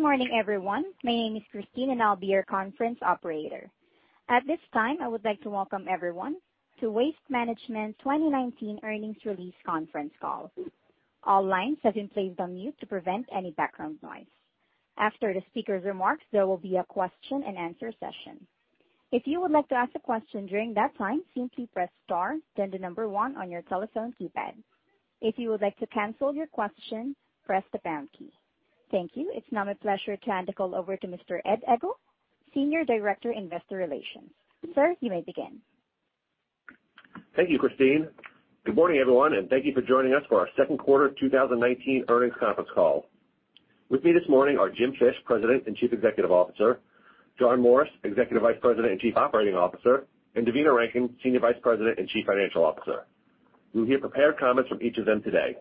Good morning, everyone. My name is Christine, and I'll be your conference operator. At this time, I would like to welcome everyone to Waste Management 2019 earnings release conference call. All lines have been placed on mute to prevent any background noise. After the speaker's remarks, there will be a question and answer session. If you would like to ask a question during that time, simply press star then the number one on your telephone keypad. If you would like to cancel your question, press the pound key. Thank you. It's now my pleasure to hand the call over to Mr. Ed Egl, Senior Director, Investor Relations. Sir, you may begin. Thank you, Christine. Good morning, everyone, and thank you for joining us for our second quarter 2019 earnings conference call. With me this morning are Jim Fish, President and Chief Executive Officer, John Morris, Executive Vice President and Chief Operating Officer, and Devina Rankin, Senior Vice President and Chief Financial Officer. You will hear prepared comments from each of them today.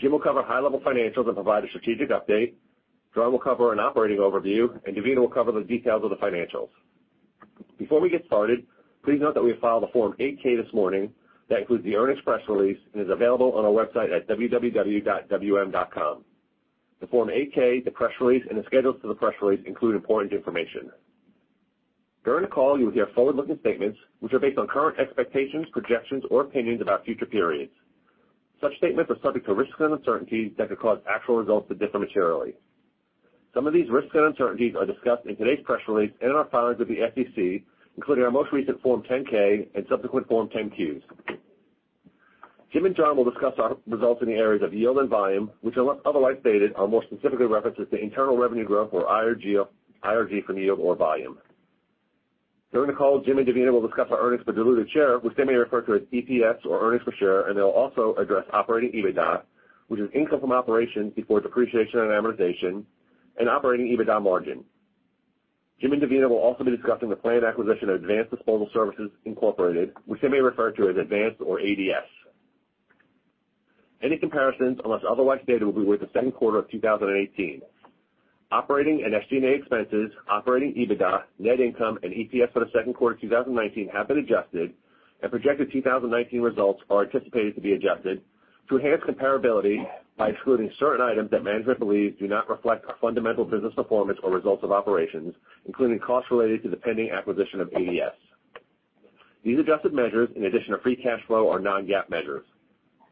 Jim will cover high-level financials and provide a strategic update. John will cover an operating overview, and Devina will cover the details of the financials. Before we get started, please note that we have filed a Form 8-K this morning that includes the earnings press release and is available on our website at www.wm.com. The Form 8-K, the press release, and the schedules to the press release include important information. During the call, you will hear forward-looking statements which are based on current expectations, projections, or opinions about future periods. Such statements are subject to risks and uncertainties that could cause actual results to differ materially. Some of these risks and uncertainties are discussed in today's press release and in our filings with the SEC, including our most recent Form 10-K and subsequent Form 10-Qs. Jim and John will discuss our results in the areas of yield and volume, which unless otherwise stated, are more specifically references to internal revenue growth or IRG from yield or volume. During the call, Jim and Devina will discuss our earnings per diluted share, which they may refer to as EPS or earnings per share, and they'll also address operating EBITDA, which is income from operations before depreciation and amortization, and operating EBITDA margin. Jim and Devina will also be discussing the planned acquisition of Advanced Disposal Services, Inc., which they may refer to as Advanced or ADS. Any comparisons, unless otherwise stated, will be with the second quarter of 2018. Operating and SG&A expenses, operating EBITDA, net income, and EPS for the second quarter 2019 have been adjusted, and projected 2019 results are anticipated to be adjusted to enhance comparability by excluding certain items that management believes do not reflect our fundamental business performance or results of operations, including costs related to the pending acquisition of ADS. These adjusted measures, in addition to free cash flow, are non-GAAP measures.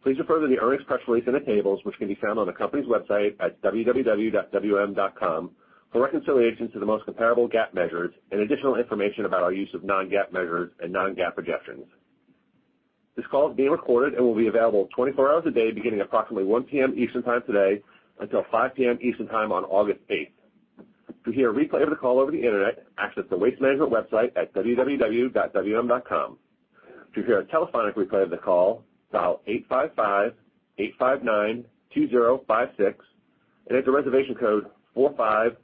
Please refer to the earnings press release in the tables which can be found on the company's website at www.wm.com for reconciliations to the most comparable GAAP measures and additional information about our use of non-GAAP measures and non-GAAP projections. This call is being recorded and will be available 24 hours a day beginning approximately 1:00 P.M. Eastern Time today until 5:00 P.M. Eastern Time on August 8th. To hear a replay of the call over the internet, access the Waste Management website at www.wm.com. To hear a telephonic replay of the call, dial 855-859-2056, and enter reservation code 4598118.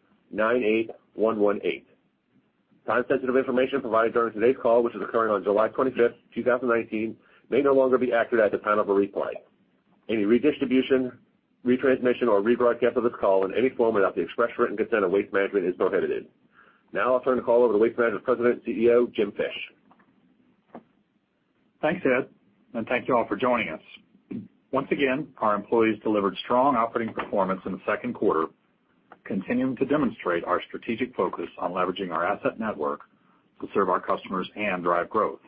Time-sensitive information provided during today's call, which is occurring on July 25th, 2019, may no longer be accurate at the time of a replay. Any redistribution, retransmission, or rebroadcast of this call in any form without the express written consent of Waste Management is prohibited. Now I'll turn the call over to Waste Management President and CEO, Jim Fish. Thanks, Ed. Thank you all for joining us. Once again, our employees delivered strong operating performance in the second quarter, continuing to demonstrate our strategic focus on leveraging our asset network to serve our customers and drive growth.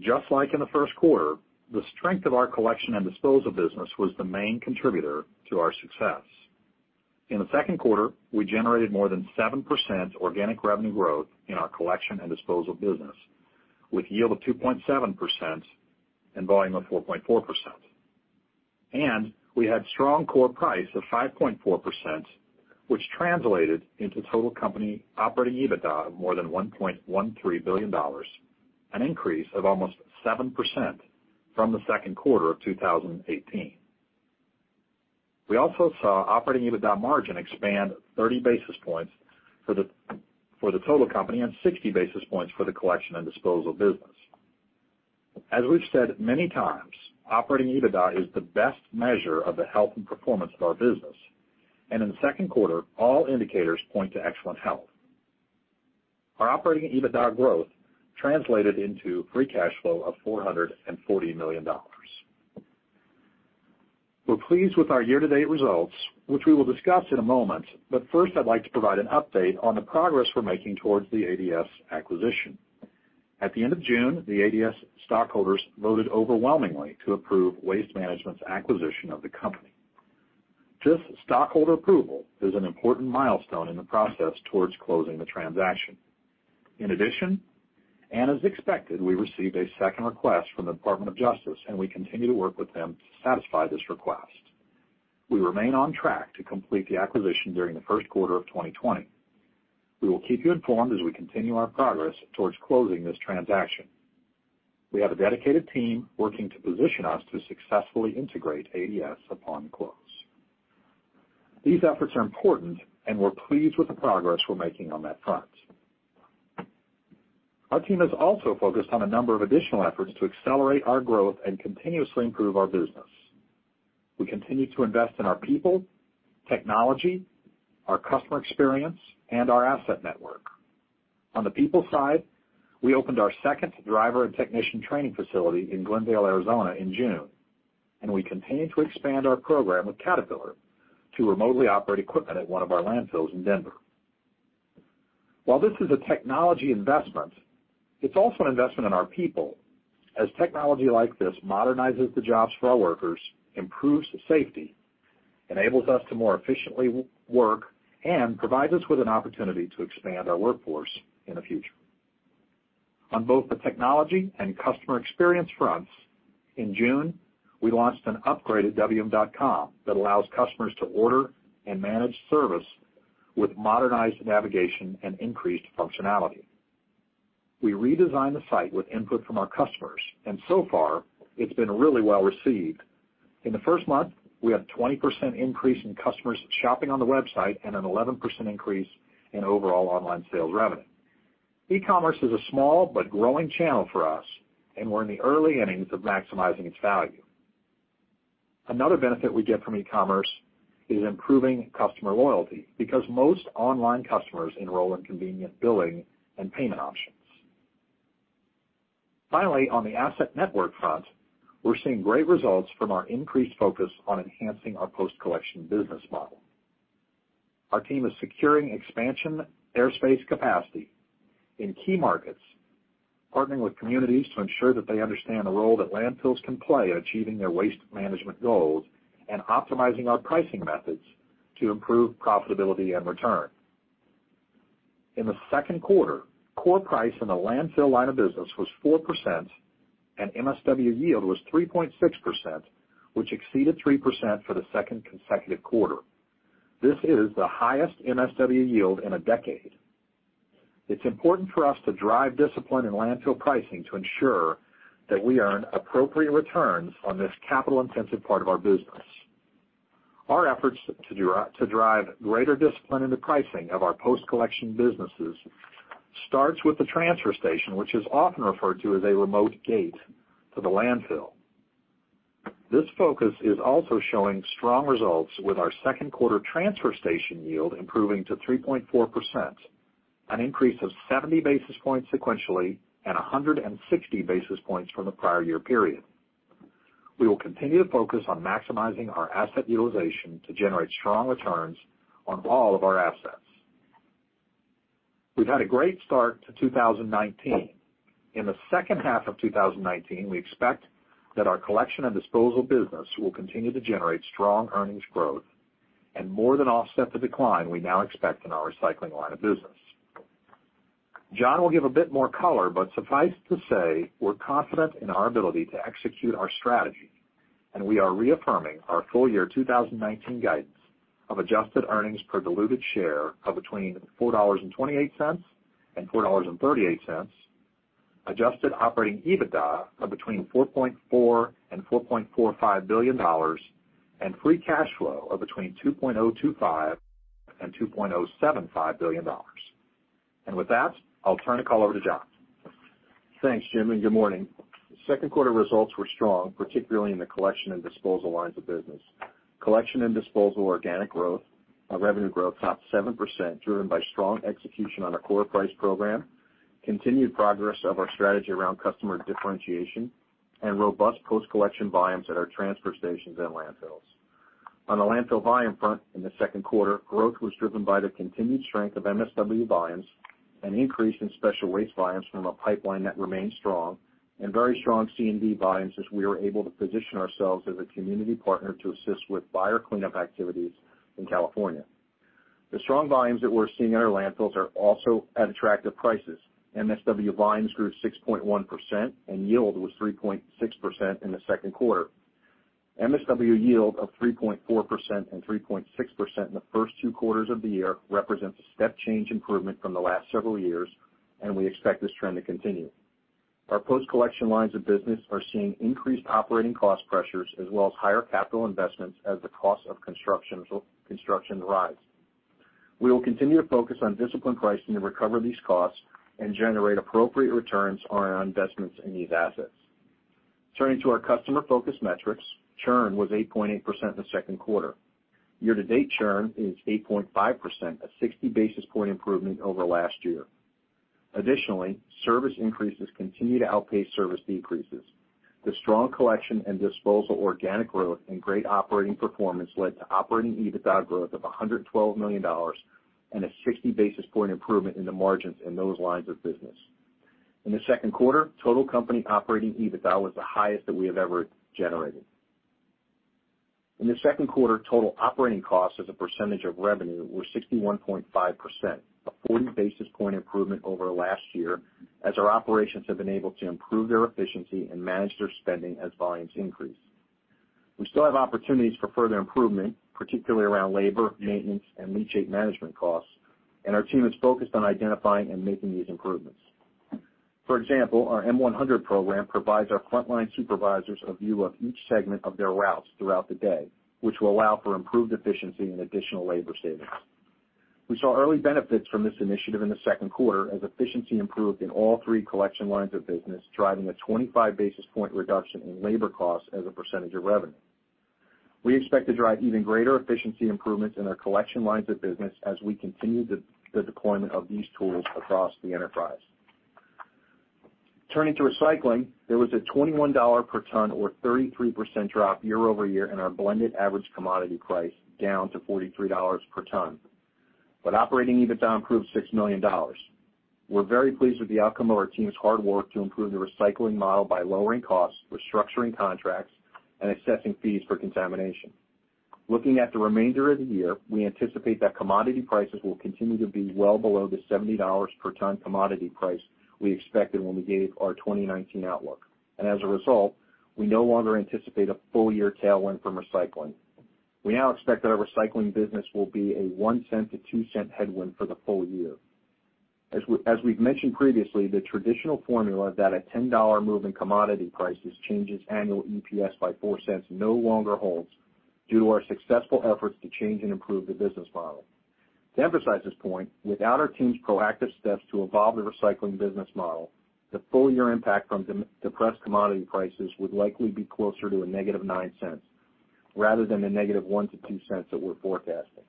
Just like in the first quarter, the strength of our collection and disposal business was the main contributor to our success. In the second quarter, we generated more than 7% organic revenue growth in our collection and disposal business, with yield of 2.7% and volume of 4.4%. We had strong core price of 5.4%, which translated into total company operating EBITDA of more than $1.13 billion, an increase of almost 7% from the second quarter of 2018. We also saw operating EBITDA margin expand 30 basis points for the total company and 60 basis points for the collection and disposal business. As we've said many times, operating EBITDA is the best measure of the health and performance of our business. In the second quarter, all indicators point to excellent health. Our operating EBITDA growth translated into free cash flow of $440 million. We're pleased with our year-to-date results, which we will discuss in a moment, but first, I'd like to provide an update on the progress we're making towards the ADS acquisition. At the end of June, the ADS stockholders voted overwhelmingly to approve Waste Management's acquisition of the company. This stockholder approval is an important milestone in the process towards closing the transaction. In addition, as expected, we received a second request from the Department of Justice, and we continue to work with them to satisfy this request. We remain on track to complete the acquisition during the first quarter of 2020. We will keep you informed as we continue our progress towards closing this transaction. We have a dedicated team working to position us to successfully integrate ADS upon close. These efforts are important, and we're pleased with the progress we're making on that front. Our team has also focused on a number of additional efforts to accelerate our growth and continuously improve our business. We continue to invest in our people, technology, our customer experience, and our asset network. On the people side, we opened our second driver and technician training facility in Glendale, Arizona, in June, and we continue to expand our program with Caterpillar to remotely operate equipment at one of our landfills in Denver. While this is a technology investment, it's also an investment in our people, as technology like this modernizes the jobs for our workers, improves safety, enables us to more efficiently work, and provides us with an opportunity to expand our workforce in the future. On both the technology and customer experience fronts, in June, we launched an upgraded wm.com that allows customers to order and manage service with modernized navigation and increased functionality. We redesigned the site with input from our customers, and so far, it's been really well received. In the first month, we had a 20% increase in customers shopping on the website and an 11% increase in overall online sales revenue. E-commerce is a small but growing channel for us, and we're in the early innings of maximizing its value. Another benefit we get from e-commerce is improving customer loyalty because most online customers enroll in convenient billing and payment options. Finally, on the asset network front, we're seeing great results from our increased focus on enhancing our post-collection business model. Our team is securing expansion airspace capacity in key markets, partnering with communities to ensure that they understand the role that landfills can play in achieving their waste management goals, and optimizing our pricing methods to improve profitability and return. In the second quarter, core price in the landfill line of business was 4% and MSW yield was 3.6%, which exceeded 3% for the second consecutive quarter. This is the highest MSW yield in a decade. It's important for us to drive discipline in landfill pricing to ensure that we earn appropriate returns on this capital-intensive part of our business. Our efforts to drive greater discipline in the pricing of our post-collection businesses starts with the transfer station, which is often referred to as a remote gate to the landfill. This focus is also showing strong results with our second quarter transfer station yield improving to 3.4%, an increase of 70 basis points sequentially and 160 basis points from the prior year period. We will continue to focus on maximizing our asset utilization to generate strong returns on all of our assets. We've had a great start to 2019. In the second half of 2019, we expect that our collection and disposal business will continue to generate strong earnings growth and more than offset the decline we now expect in our recycling line of business. John will give a bit more color. Suffice to say, we're confident in our ability to execute our strategy, and we are reaffirming our full year 2019 guidance of adjusted earnings per diluted share of between $4.28 and $4.38, adjusted operating EBITDA of between $4.4 and $4.45 billion, and free cash flow of between $2.025 and $2.075 billion. With that, I'll turn the call over to John. Thanks, Jim, good morning. Second quarter results were strong, particularly in the Collection and Disposal lines of business. Collection and Disposal organic growth, our revenue growth topped 7%, driven by strong execution on our core price program, continued progress of our strategy around customer differentiation, and robust post-collection volumes at our transfer stations and landfills. On the landfill volume front in the second quarter, growth was driven by the continued strength of MSW volumes, an increase in special waste volumes from a pipeline that remains strong, and very strong C&D volumes as we were able to position ourselves as a community partner to assist with fire cleanup activities in California. The strong volumes that we're seeing at our landfills are also at attractive prices. MSW volumes grew 6.1% and yield was 3.6% in the second quarter. MSW yield of 3.4% and 3.6% in the first two quarters of the year represents a step change improvement from the last several years, and we expect this trend to continue. Our post-collection lines of business are seeing increased operating cost pressures as well as higher capital investments as the cost of construction rise. We will continue to focus on disciplined pricing to recover these costs and generate appropriate returns on our investments in these assets. Turning to our customer focus metrics, churn was 8.8% in the second quarter. Year-to-date churn is 8.5%, a 60 basis point improvement over last year. Additionally, service increases continue to outpace service decreases. The strong collection and disposal organic growth and great operating performance led to operating EBITDA growth of $112 million and a 60 basis point improvement in the margins in those lines of business. In the second quarter, total company operating EBITDA was the highest that we have ever generated. In the second quarter, total operating costs as a percentage of revenue were 61.5%, a 40 basis point improvement over last year as our operations have been able to improve their efficiency and manage their spending as volumes increase. We still have opportunities for further improvement, particularly around labor, maintenance, and leachate management costs, and our team is focused on identifying and making these improvements. For example, our M-100 program provides our frontline supervisors a view of each segment of their routes throughout the day, which will allow for improved efficiency and additional labor savings. We saw early benefits from this initiative in the second quarter as efficiency improved in all three collection lines of business, driving a 25 basis point reduction in labor costs as a percentage of revenue. We expect to drive even greater efficiency improvements in our collection lines of business as we continue the deployment of these tools across the enterprise. Turning to recycling, there was a $21 per ton or 33% drop year-over-year in our blended average commodity price, down to $43 per ton. Operating EBITDA improved $6 million. We're very pleased with the outcome of our team's hard work to improve the recycling model by lowering costs, restructuring contracts, and assessing fees for contamination. Looking at the remainder of the year, we anticipate that commodity prices will continue to be well below the $70 per ton commodity price we expected when we gave our 2019 outlook. As a result, we no longer anticipate a full-year tailwind from recycling. We now expect that our recycling business will be a $0.01-$0.02 headwind for the full-year. As we've mentioned previously, the traditional formula that a $10 move in commodity prices changes annual EPS by $0.04 no longer holds due to our successful efforts to change and improve the business model. To emphasize this point, without our team's proactive steps to evolve the recycling business model, the full-year impact from depressed commodity prices would likely be closer to -$0.09 rather than -$0.01 to -$0.02 that we're forecasting.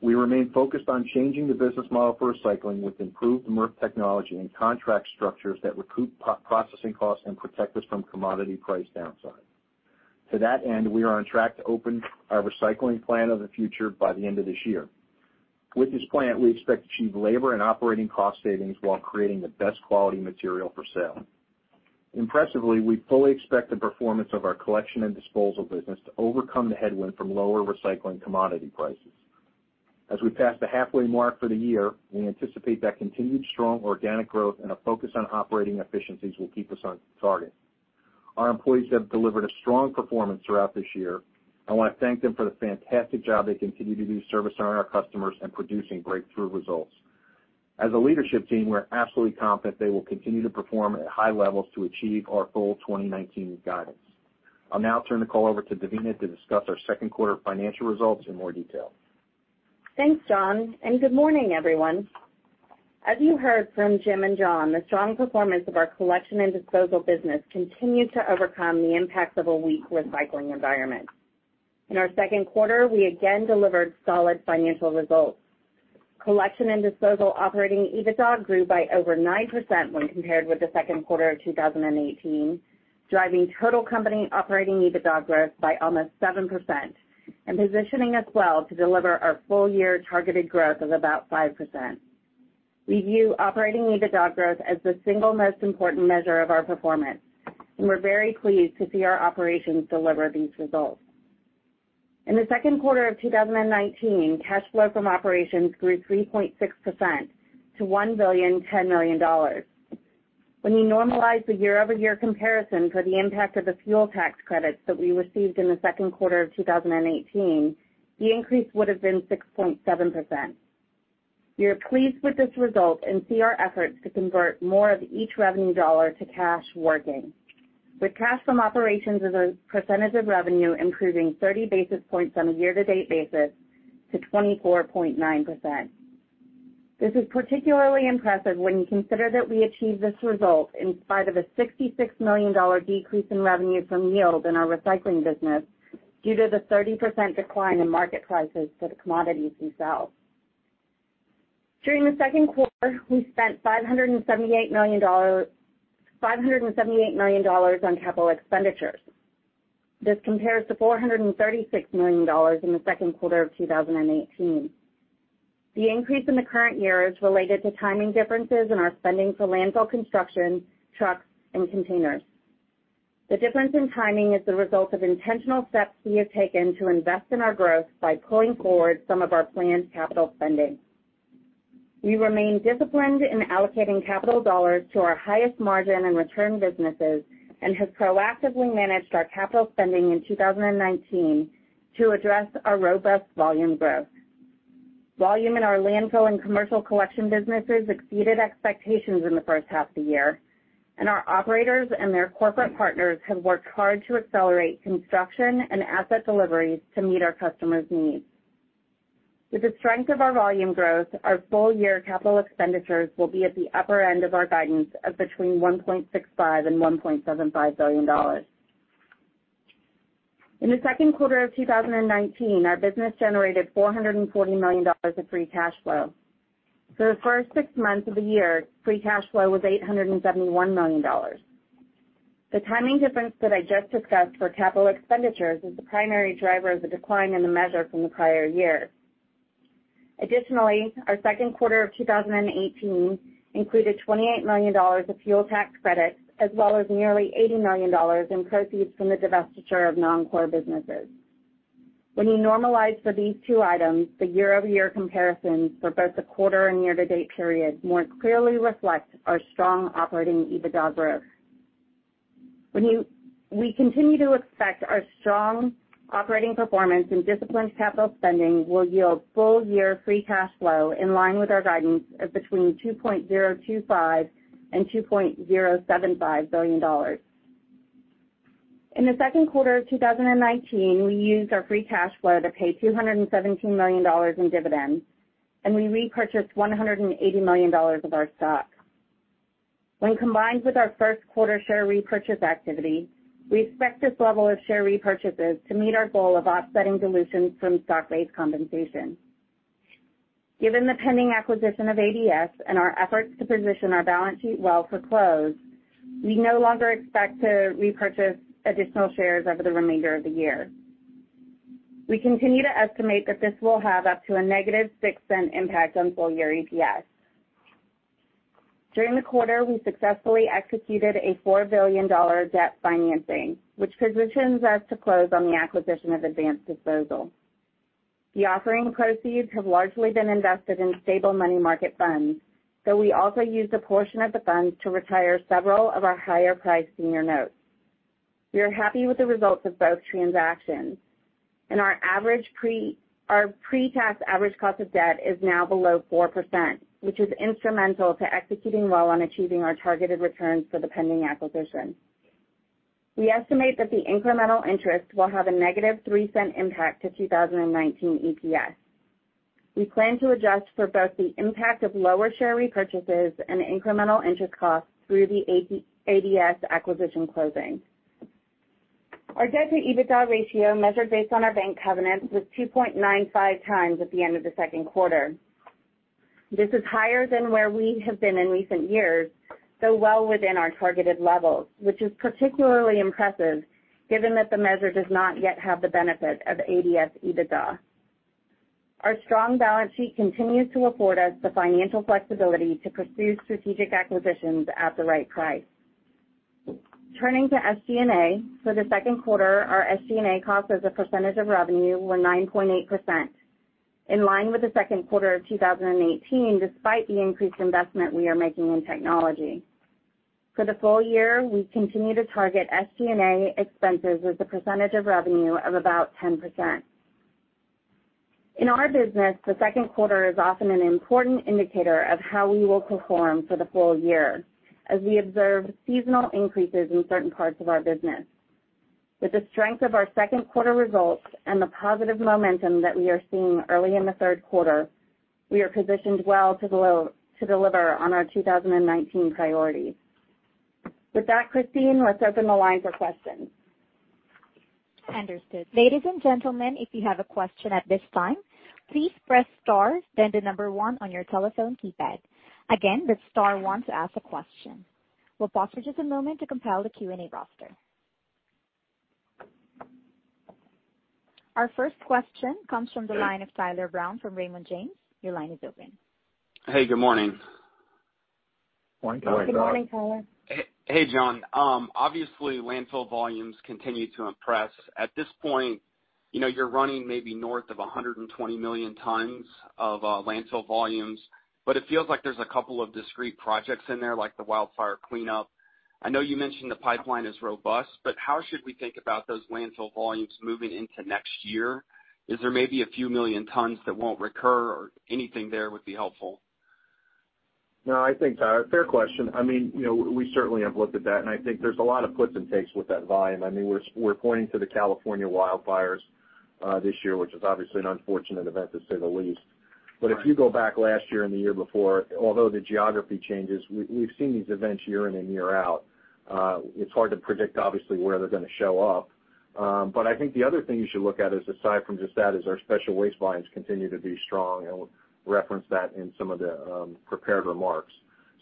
We remain focused on changing the business model for recycling with improved MRF technology and contract structures that recoup processing costs and protect us from commodity price downside. To that end, we are on track to open our recycling plant of the future by the end of this year. With this plant, we expect to achieve labor and operating cost savings while creating the best quality material for sale. Impressively, we fully expect the performance of our collection and disposal business to overcome the headwind from lower recycling commodity prices. As we pass the halfway mark for the year, we anticipate that continued strong organic growth and a focus on operating efficiencies will keep us on target. Our employees have delivered a strong performance throughout this year. I want to thank them for the fantastic job they continue to do servicing our customers and producing breakthrough results. As a leadership team, we're absolutely confident they will continue to perform at high levels to achieve our full 2019 guidance. I'll now turn the call over to Devina to discuss our second quarter financial results in more detail. Thanks, John, good morning, everyone. As you heard from Jim and John, the strong performance of our collection and disposal business continued to overcome the impacts of a weak recycling environment. In our second quarter, we again delivered solid financial results. Collection and disposal operating EBITDA grew by over 9% when compared with the second quarter of 2018, driving total company operating EBITDA growth by almost 7% and positioning us well to deliver our full-year targeted growth of about 5%. We view operating EBITDA growth as the single most important measure of our performance, and we're very pleased to see our operations deliver these results. In the second quarter of 2019, cash flow from operations grew 3.6% to $1.01 Billion. When you normalize the year-over-year comparison for the impact of the fuel tax credits that we received in the second quarter of 2018, the increase would have been 6.7%. We are pleased with this result and see our efforts to convert more of each revenue dollar to cash working, with cash from operations as a percentage of revenue improving 30 basis points on a year-to-date basis to 24.9%. This is particularly impressive when you consider that we achieved this result in spite of a $66 million decrease in revenue from yield in our recycling business due to the 30% decline in market prices for the commodities we sell. During the second quarter, we spent $578 million on capital expenditures. This compares to $436 million in the second quarter of 2018. The increase in the current year is related to timing differences in our spending for landfill construction, trucks, and containers. The difference in timing is the result of intentional steps we have taken to invest in our growth by pulling forward some of our planned capital spending. We remain disciplined in allocating capital dollars to our highest margin and return businesses and have proactively managed our capital spending in 2019 to address our robust volume growth. Volume in our landfill and commercial collection businesses exceeded expectations in the first half of the year, and our operators and their corporate partners have worked hard to accelerate construction and asset deliveries to meet our customers' needs. With the strength of our volume growth, our full-year capital expenditures will be at the upper end of our guidance of between $1.65 and $1.75 billion. In the second quarter of 2019, our business generated $440 million of free cash flow. For the first six months of the year, free cash flow was $871 million. The timing difference that I just discussed for capital expenditures is the primary driver of the decline in the measure from the prior year. Additionally, our second quarter of 2018 included $28 million of fuel tax credits, as well as nearly $80 million in proceeds from the divestiture of non-core businesses. When you normalize for these two items, the year-over-year comparisons for both the quarter and year-to-date period more clearly reflect our strong operating EBITDA growth. We continue to expect our strong operating performance and disciplined capital spending will yield full-year free cash flow in line with our guidance of between $2.025 billion and $2.075 billion. In the second quarter of 2019, we used our free cash flow to pay $217 million in dividends. We repurchased $180 million of our stock. When combined with our first quarter share repurchase activity, we expect this level of share repurchases to meet our goal of offsetting dilution from stock-based compensation. Given the pending acquisition of ADS and our efforts to position our balance sheet well for close, we no longer expect to repurchase additional shares over the remainder of the year. We continue to estimate that this will have up to a -$0.06 impact on full-year EPS. During the quarter, we successfully executed a $4 billion debt financing, which positions us to close on the acquisition of Advanced Disposal. The offering proceeds have largely been invested in stable money market funds, though we also used a portion of the funds to retire several of our higher priced senior notes. We are happy with the results of both transactions. Our pre-tax average cost of debt is now below 4%, which is instrumental to executing well on achieving our targeted returns for the pending acquisition. We estimate that the incremental interest will have a negative $0.03 impact to 2019 EPS. We plan to adjust for both the impact of lower share repurchases and incremental interest costs through the ADS acquisition closing. Our debt to EBITDA ratio, measured based on our bank covenants, was 2.95 times at the end of the second quarter. This is higher than where we have been in recent years, though well within our targeted levels, which is particularly impressive given that the measure does not yet have the benefit of ADS EBITDA. Our strong balance sheet continues to afford us the financial flexibility to pursue strategic acquisitions at the right price. Turning to SG&A. For the second quarter, our SG&A costs as a percentage of revenue were 9.8%, in line with the second quarter of 2018, despite the increased investment we are making in technology. For the full year, we continue to target SG&A expenses as a percentage of revenue of about 10%. In our business, the second quarter is often an important indicator of how we will perform for the full year, as we observe seasonal increases in certain parts of our business. With the strength of our second quarter results and the positive momentum that we are seeing early in the third quarter, we are positioned well to deliver on our 2019 priorities. With that, Christine, let's open the line for questions. Understood. Ladies and gentlemen, if you have a question at this time, please press star, then the number one on your telephone keypad. Again, that's star one to ask a question. We'll pause for just a moment to compile the Q&A roster. Our first question comes from the line of Tyler Brown from Raymond James. Your line is open. Hey, good morning. Morning, Tyler. Good morning, Tyler. Hey, John. Obviously, landfill volumes continue to impress. At this point, you're running maybe north of 120 million tons of landfill volumes, but it feels like there's a couple of discrete projects in there, like the wildfire cleanup. I know you mentioned the pipeline is robust, but how should we think about those landfill volumes moving into next year? Is there maybe a few million tons that won't recur or anything there would be helpful? I think, Tyler, fair question. We certainly have looked at that, and I think there's a lot of puts and takes with that volume. We're pointing to the California wildfires this year, which is obviously an unfortunate event, to say the least. Right. If you go back last year and the year before, although the geography changes, we've seen these events year in and year out. It's hard to predict, obviously, where they're going to show up. I think the other thing you should look at is, aside from just that, is our special waste lines continue to be strong, and we'll reference that in some of the prepared remarks.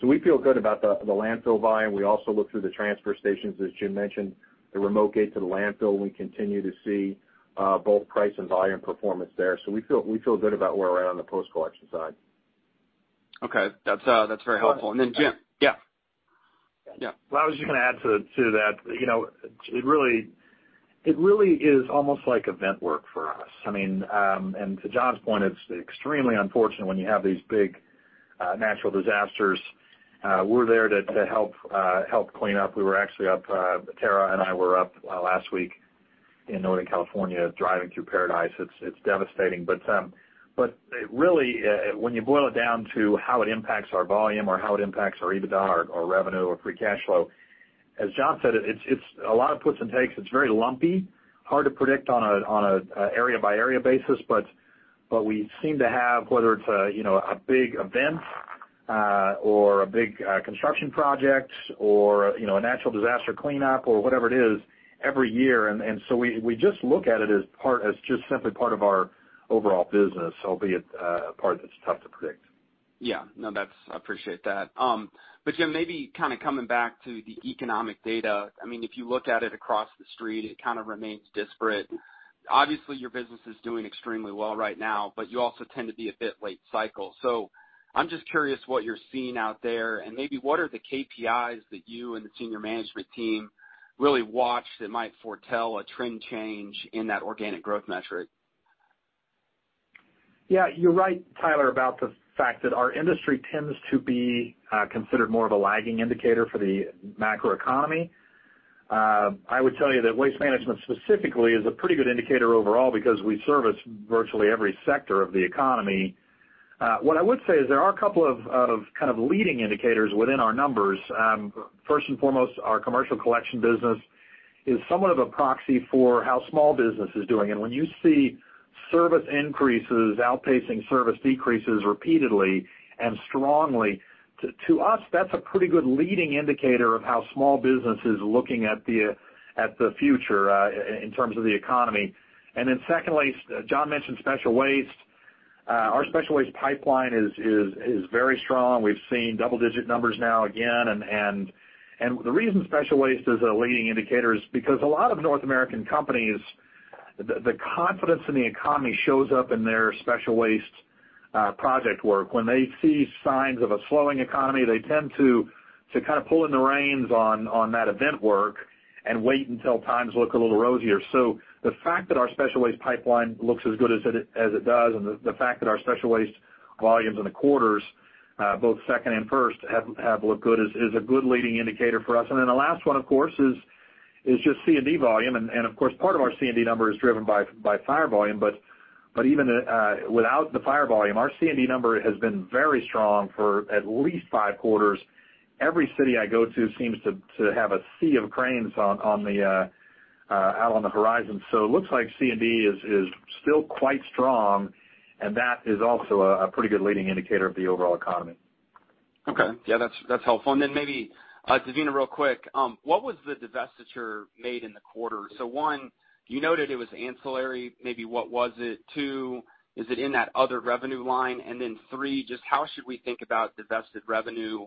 We feel good about the landfill volume. We also look through the transfer stations, as Jim mentioned, the remote gate to the landfill. We continue to see both price and volume performance there. We feel good about where we're at on the post-collection side. Okay. That's very helpful. Jim. Yeah. Yeah. Well, I was just going to add to that. It really is almost like event work for us. To John's point, it's extremely unfortunate when you have these big natural disasters. We're there to help clean up. Tara and I were up last week in Northern California, driving through Paradise. It's devastating. Really, when you boil it down to how it impacts our volume or how it impacts our EBITDA or revenue or free cash flow, as John said, it's a lot of puts and takes. It's very lumpy, hard to predict on an area-by-area basis, but we seem to have, whether it's a big event or a big construction project or a natural disaster cleanup or whatever it is every year. We just look at it as just simply part of our overall business, albeit a part that's tough to predict. Yeah. No, I appreciate that. Jim, maybe coming back to the economic data. If you look at it across the street, it remains disparate. Obviously, your business is doing extremely well right now, but you also tend to be a bit late cycle. I'm just curious what you're seeing out there, and maybe what are the KPIs that you and the senior management team really watch that might foretell a trend change in that organic growth metric? Yeah, you're right, Tyler, about the fact that our industry tends to be considered more of a lagging indicator for the macroeconomy. I would tell you that Waste Management specifically is a pretty good indicator overall because we service virtually every sector of the economy. What I would say is there are a couple of leading indicators within our numbers. First and foremost, our commercial collection business is somewhat of a proxy for how small business is doing. When you see service increases outpacing service decreases repeatedly and strongly. To us, that's a pretty good leading indicator of how small business is looking at the future in terms of the economy. Secondly, John mentioned special waste. Our special waste pipeline is very strong. We've seen double-digit numbers now again, and the reason special waste is a leading indicator is because a lot of North American companies, the confidence in the economy shows up in their special waste project work. When they see signs of a slowing economy, they tend to pull in the reins on that event work and wait until times look a little rosier. The fact that our special waste pipeline looks as good as it does, and the fact that our special waste volumes in the quarters, both second and first, have looked good is a good leading indicator for us. The last one, of course, is just C&D volume. Of course, part of our C&D number is driven by fire volume. Even without the fire volume, our C&D number has been very strong for at least five quarters. Every city I go to seems to have a sea of cranes out on the horizon. It looks like C&D is still quite strong, and that is also a pretty good leading indicator of the overall economy. Okay. Yeah, that's helpful. Maybe, Devina, real quick, what was the divestiture made in the quarter? One, you noted it was ancillary, maybe what was it? Two, is it in that other revenue line? Three, just how should we think about divested revenue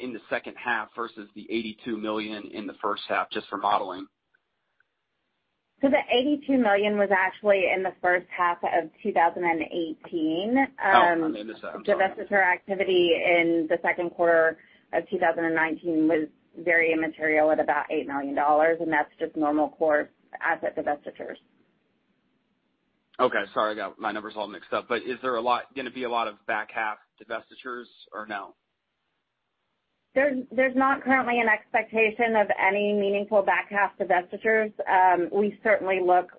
in the second half versus the $82 million in the first half, just for modeling? The $82 million was actually in the first half of 2018. Oh, I misunderstood. I'm sorry. Divestiture activity in the second quarter of 2019 was very immaterial at about $8 million, and that's just normal core asset divestitures. Okay. Sorry, my numbers are all mixed up. Is there going to be a lot of back half divestitures or no? There's not currently an expectation of any meaningful back half divestitures. We certainly look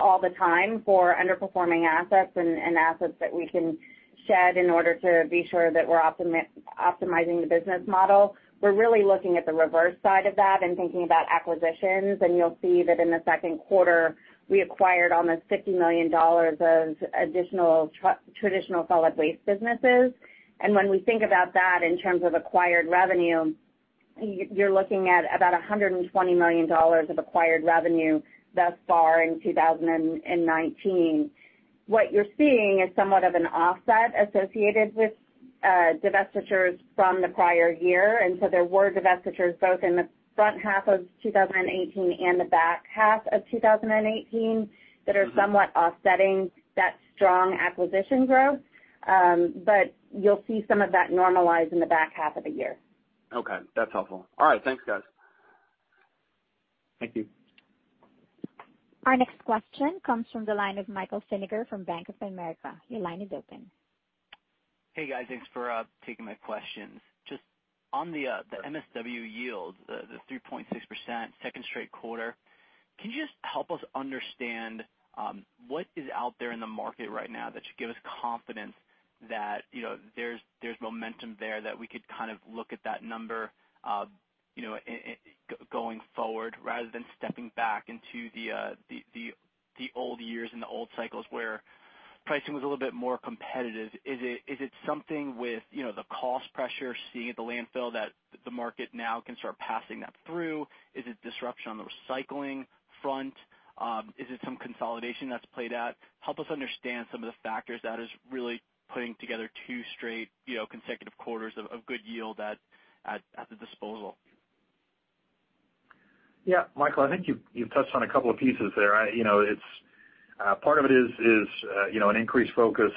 all the time for underperforming assets and assets that we can shed in order to be sure that we're optimizing the business model. We're really looking at the reverse side of that and thinking about acquisitions. You'll see that in the second quarter, we acquired almost $60 million of additional traditional solid waste businesses. When we think about that in terms of acquired revenue, you're looking at about $120 million of acquired revenue thus far in 2019. What you're seeing is somewhat of an offset associated with divestitures from the prior year. There were divestitures both in the front half of 2018 and the back half of 2018 that are somewhat offsetting that strong acquisition growth. You'll see some of that normalize in the back half of the year. Okay, that's helpful. All right. Thanks, guys. Thank you. Our next question comes from the line of Michael Feniger from Bank of America. Your line is open. Hey, guys. Thanks for taking my questions. Just on the MSW yield, the 3.6% second straight quarter, can you just help us understand what is out there in the market right now that should give us confidence that there's momentum there that we could kind of look at that number going forward rather than stepping back into the old years and the old cycles where pricing was a little bit more competitive? Is it something with the cost pressure seen at the landfill that the market now can start passing that through? Is it disruption on the recycling front? Is it some consolidation that's played out? Help us understand some of the factors that is really putting together two straight consecutive quarters of good yield at the disposal. Michael, I think you've touched on a couple of pieces there. Part of it is an increased focus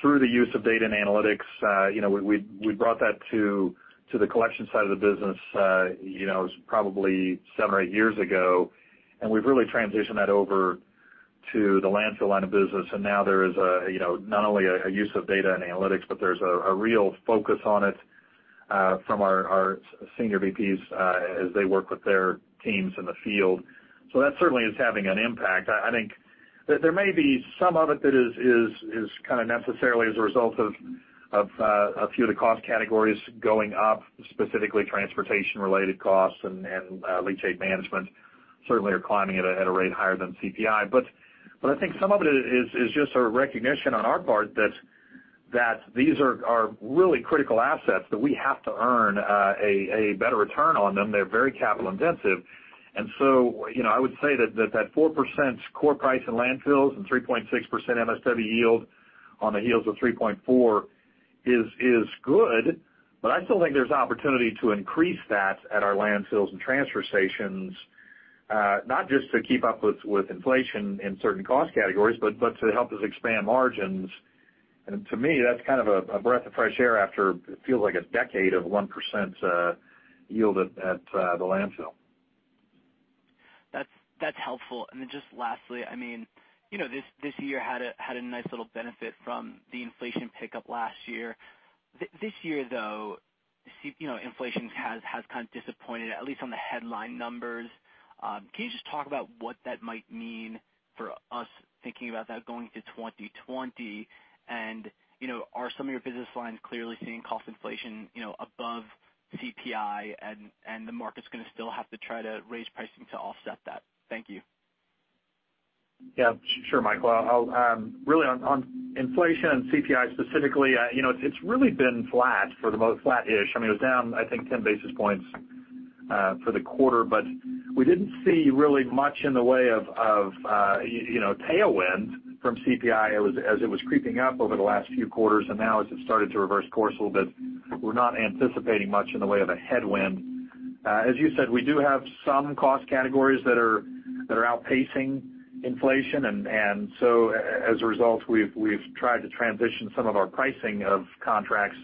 through the use of data and analytics. We brought that to the collection side of the business, it was probably seven or eight years ago, and we've really transitioned that over to the landfill line of business. Now there is not only a use of data and analytics, but there's a real focus on it from our senior VPs as they work with their teams in the field. That certainly is having an impact. I think that there may be some of it that is kind of necessarily as a result of a few of the cost categories going up, specifically transportation-related costs and leachate management certainly are climbing at a rate higher than CPI. I think some of it is just a recognition on our part that these are really critical assets that we have to earn a better return on them. They're very capital intensive. I would say that 4% core price in landfills and 3.6% MSW yield on the heels of 3.4% is good, I still think there's opportunity to increase that at our landfills and transfer stations, not just to keep up with inflation in certain cost categories, but to help us expand margins. To me, that's kind of a breath of fresh air after it feels like a decade of 1% yield at the landfill. That's helpful. Then just lastly, this year had a nice little benefit from the inflation pickup last year. This year, though, inflation has kind of disappointed, at least on the headline numbers. Can you just talk about what that might mean for us thinking about that going to 2020? Are some of your business lines clearly seeing cost inflation above CPI and the market's going to still have to try to raise pricing to offset that? Thank you. Yeah. Sure, Michael. Really on inflation and CPI specifically, it's really been flat for the most, flattish. It was down, I think, 10 basis points for the quarter, we didn't see really much in the way of tailwind from CPI as it was creeping up over the last few quarters. Now as it started to reverse course a little bit, we're not anticipating much in the way of a headwind. As you said, we do have some cost categories that are outpacing inflation, as a result, we've tried to transition some of our pricing of contracts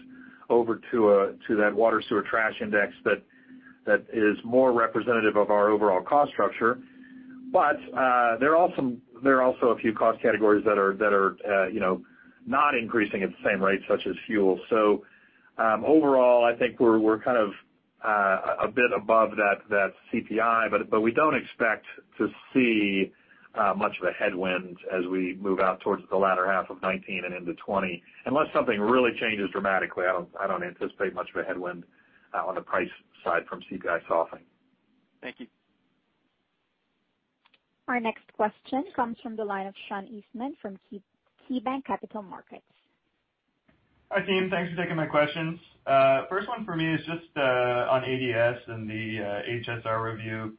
over to that water sewer trash index that is more representative of our overall cost structure. There are also a few cost categories that are not increasing at the same rate, such as fuel. Overall, I think we're kind of a bit above that CPI, but we don't expect to see much of a headwind as we move out towards the latter half of 2019 and into 2020. Unless something really changes dramatically, I don't anticipate much of a headwind on the price side from CPI softening. Thank you. Our next question comes from the line of Sean Eastman from KeyBanc Capital Markets. Hi, team. Thanks for taking my questions. First one for me is just on ADS and the HSR review.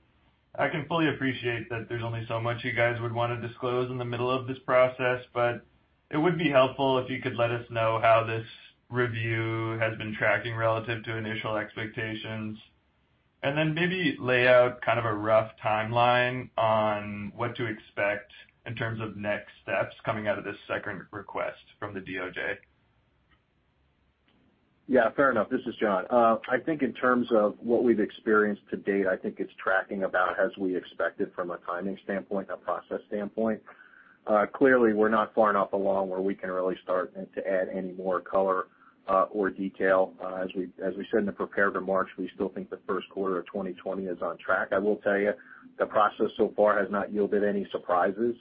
I can fully appreciate that there's only so much you guys would want to disclose in the middle of this process. It would be helpful if you could let us know how this review has been tracking relative to initial expectations. Maybe lay out kind of a rough timeline on what to expect in terms of next steps coming out of this second request from the DOJ. Yeah, fair enough. This is John. I think in terms of what we've experienced to date, I think it's tracking about as we expected from a timing standpoint and a process standpoint. Clearly, we're not far enough along where we can really start to add any more color or detail. As we said in the prepared remarks, we still think the first quarter of 2020 is on track. I will tell you, the process so far has not yielded any surprises.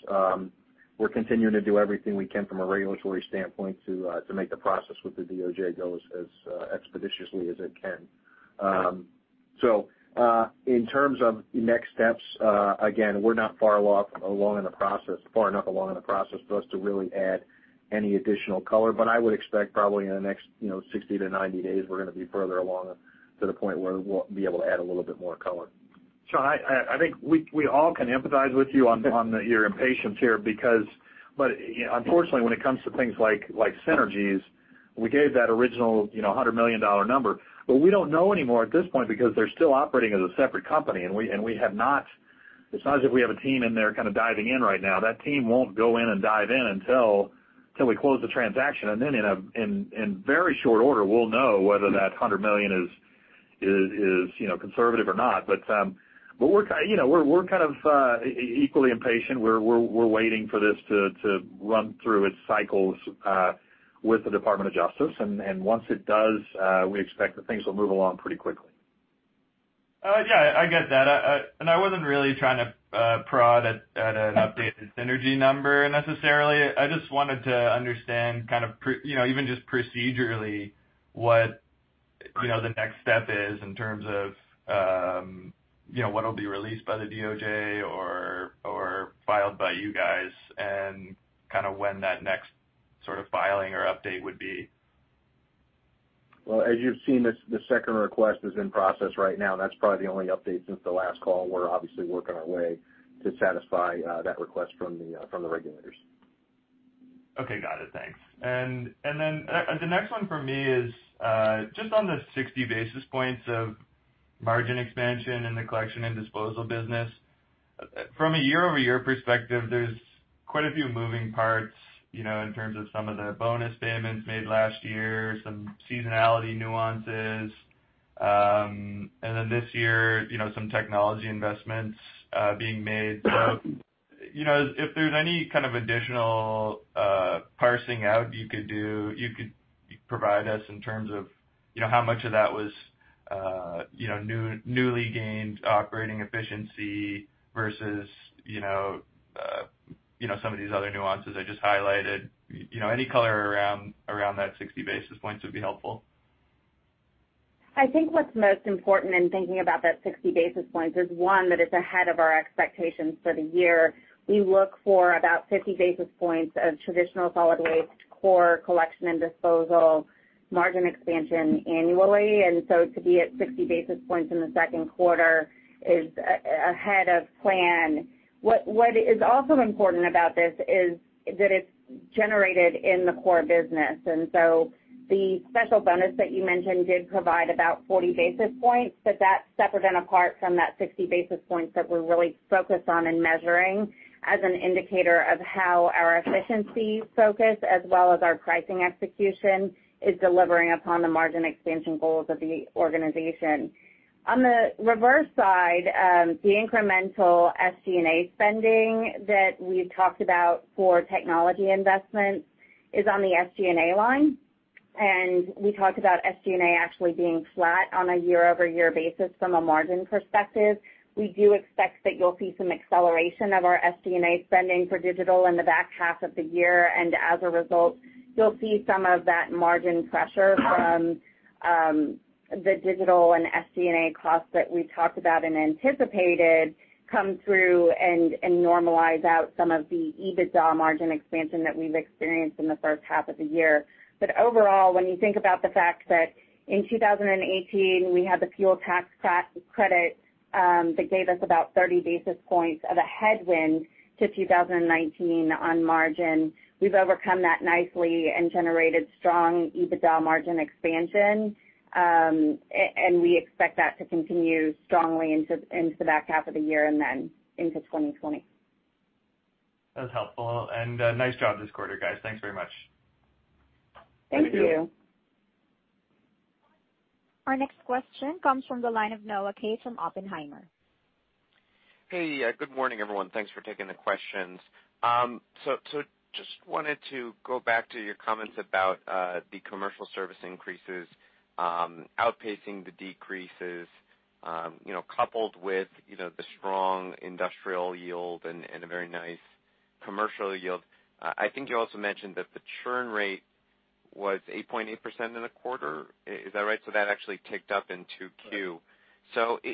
We're continuing to do everything we can from a regulatory standpoint to make the process with the DOJ go as expeditiously as it can. In terms of next steps, again, we're not far enough along in the process for us to really add any additional color. I would expect probably in the next 60-90 days, we're going to be further along to the point where we'll be able to add a little bit more color. Sean, I think we all can empathize with you on your impatience here. Unfortunately, when it comes to things like synergies, we gave that original $100 million number, but we don't know anymore at this point because they're still operating as a separate company, and it's not as if we have a team in there kind of diving in right now. That team won't go in and dive in until we close the transaction. Then in very short order, we'll know whether that $100 million is conservative or not. We're kind of equally impatient. We're waiting for this to run through its cycles with the Department of Justice. Once it does, we expect that things will move along pretty quickly. Yeah, I get that. I wasn't really trying to prod at an updated synergy number necessarily. I just wanted to understand kind of even just procedurally what the next step is in terms of what'll be released by the DOJ or filed by you guys and kind of when that next sort of filing or update would be. Well, as you've seen, the second request is in process right now. That's probably the only update since the last call. We're obviously working our way to satisfy that request from the regulators. Okay, got it. Thanks. The next one for me is just on the 60 basis points of margin expansion in the collection and disposal business. From a year-over-year perspective, there's quite a few moving parts in terms of some of the bonus payments made last year, some seasonality nuances, and then this year, some technology investments being made. If there's any kind of additional parsing out you could provide us in terms of how much of that was newly gained operating efficiency versus some of these other nuances I just highlighted. Any color around that 60 basis points would be helpful. I think what's most important in thinking about that 60 basis points is, one, that it's ahead of our expectations for the year. We look for about 50 basis points of traditional solid waste core collection and disposal margin expansion annually. To be at 60 basis points in the second quarter is ahead of plan. What is also important about this is that it's generated in the core business. The special bonus that you mentioned did provide about 40 basis points, but that's separate and apart from that 60 basis points that we're really focused on and measuring as an indicator of how our efficiency focus as well as our pricing execution is delivering upon the margin expansion goals of the organization. On the reverse side, the incremental SG&A spending that we've talked about for technology investments is on the SG&A line. We talked about SG&A actually being flat on a year-over-year basis from a margin perspective. We do expect that you'll see some acceleration of our SG&A spending for digital in the back half of the year. As a result, you'll see some of that margin pressure from the digital and SG&A costs that we talked about and anticipated come through and normalize out some of the EBITDA margin expansion that we've experienced in the first half of the year. Overall, when you think about the fact that in 2018, we had the fuel tax credit, that gave us about 30 basis points of a headwind to 2019 on margin. We've overcome that nicely and generated strong EBITDA margin expansion. We expect that to continue strongly into the back half of the year and then into 2020. That was helpful. Nice job this quarter, guys. Thanks very much. Thank you. Thank you. Our next question comes from the line of Noah Kaye from Oppenheimer. Hey, good morning, everyone. Thanks for taking the questions. Just wanted to go back to your comments about the commercial service increases outpacing the decreases, coupled with the strong industrial yield and a very nice commercial yield. I think you also mentioned that the churn rate was 8.8% in the quarter. Is that right? That actually ticked up in 2Q.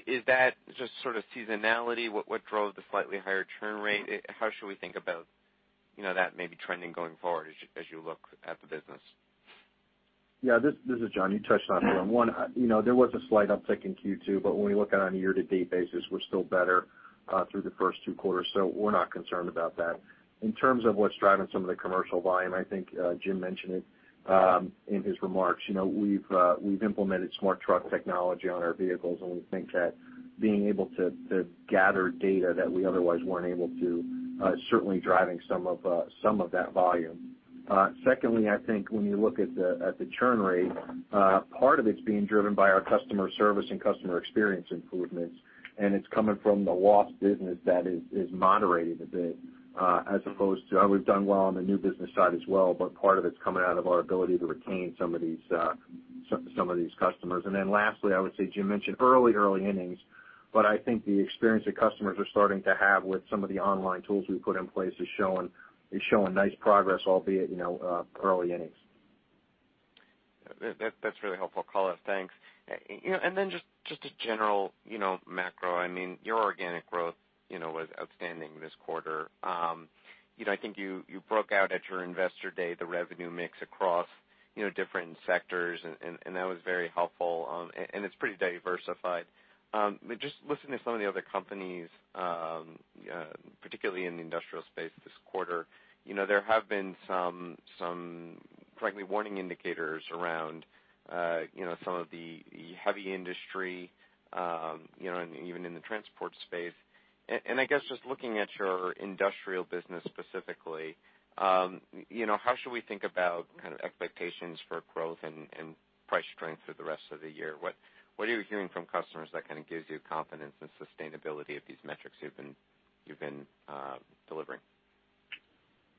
Is that just sort of seasonality? What drove the slightly higher churn rate? How should we think about that maybe trending going forward as you look at the business? Yeah. This is John. You touched on it. There was a slight uptick in Q2, but when we look on a year-to-date basis, we're still better through the first two quarters, so we're not concerned about that. In terms of what's driving some of the commercial volume, I think Jim mentioned it in his remarks. We've implemented smart truck technology on our vehicles, and we think that being able to gather data that we otherwise weren't able to, is certainly driving some of that volume. Secondly, I think when you look at the churn rate, part of it's being driven by our customer service and customer experience improvements, and it's coming from the lost business that is moderating a bit, as opposed to how we've done well on the new business side as well. Part of it's coming out of our ability to retain some of these customers. Lastly, I would say Jim mentioned early innings, but I think the experience that customers are starting to have with some of the online tools we put in place is showing nice progress, albeit early innings. That's really helpful color. Thanks. Just a general macro, your organic growth was outstanding this quarter. I think you broke out at your investor day the revenue mix across different sectors and that was very helpful, and it's pretty diversified. Just listening to some of the other companies, particularly in the industrial space this quarter, there have been some, frankly, warning indicators around some of the heavy industry, and even in the transport space. I guess just looking at your industrial business specifically, how should we think about kind of expectations for growth and price strength through the rest of the year? What are you hearing from customers that kind of gives you confidence in sustainability of these metrics you've been delivering?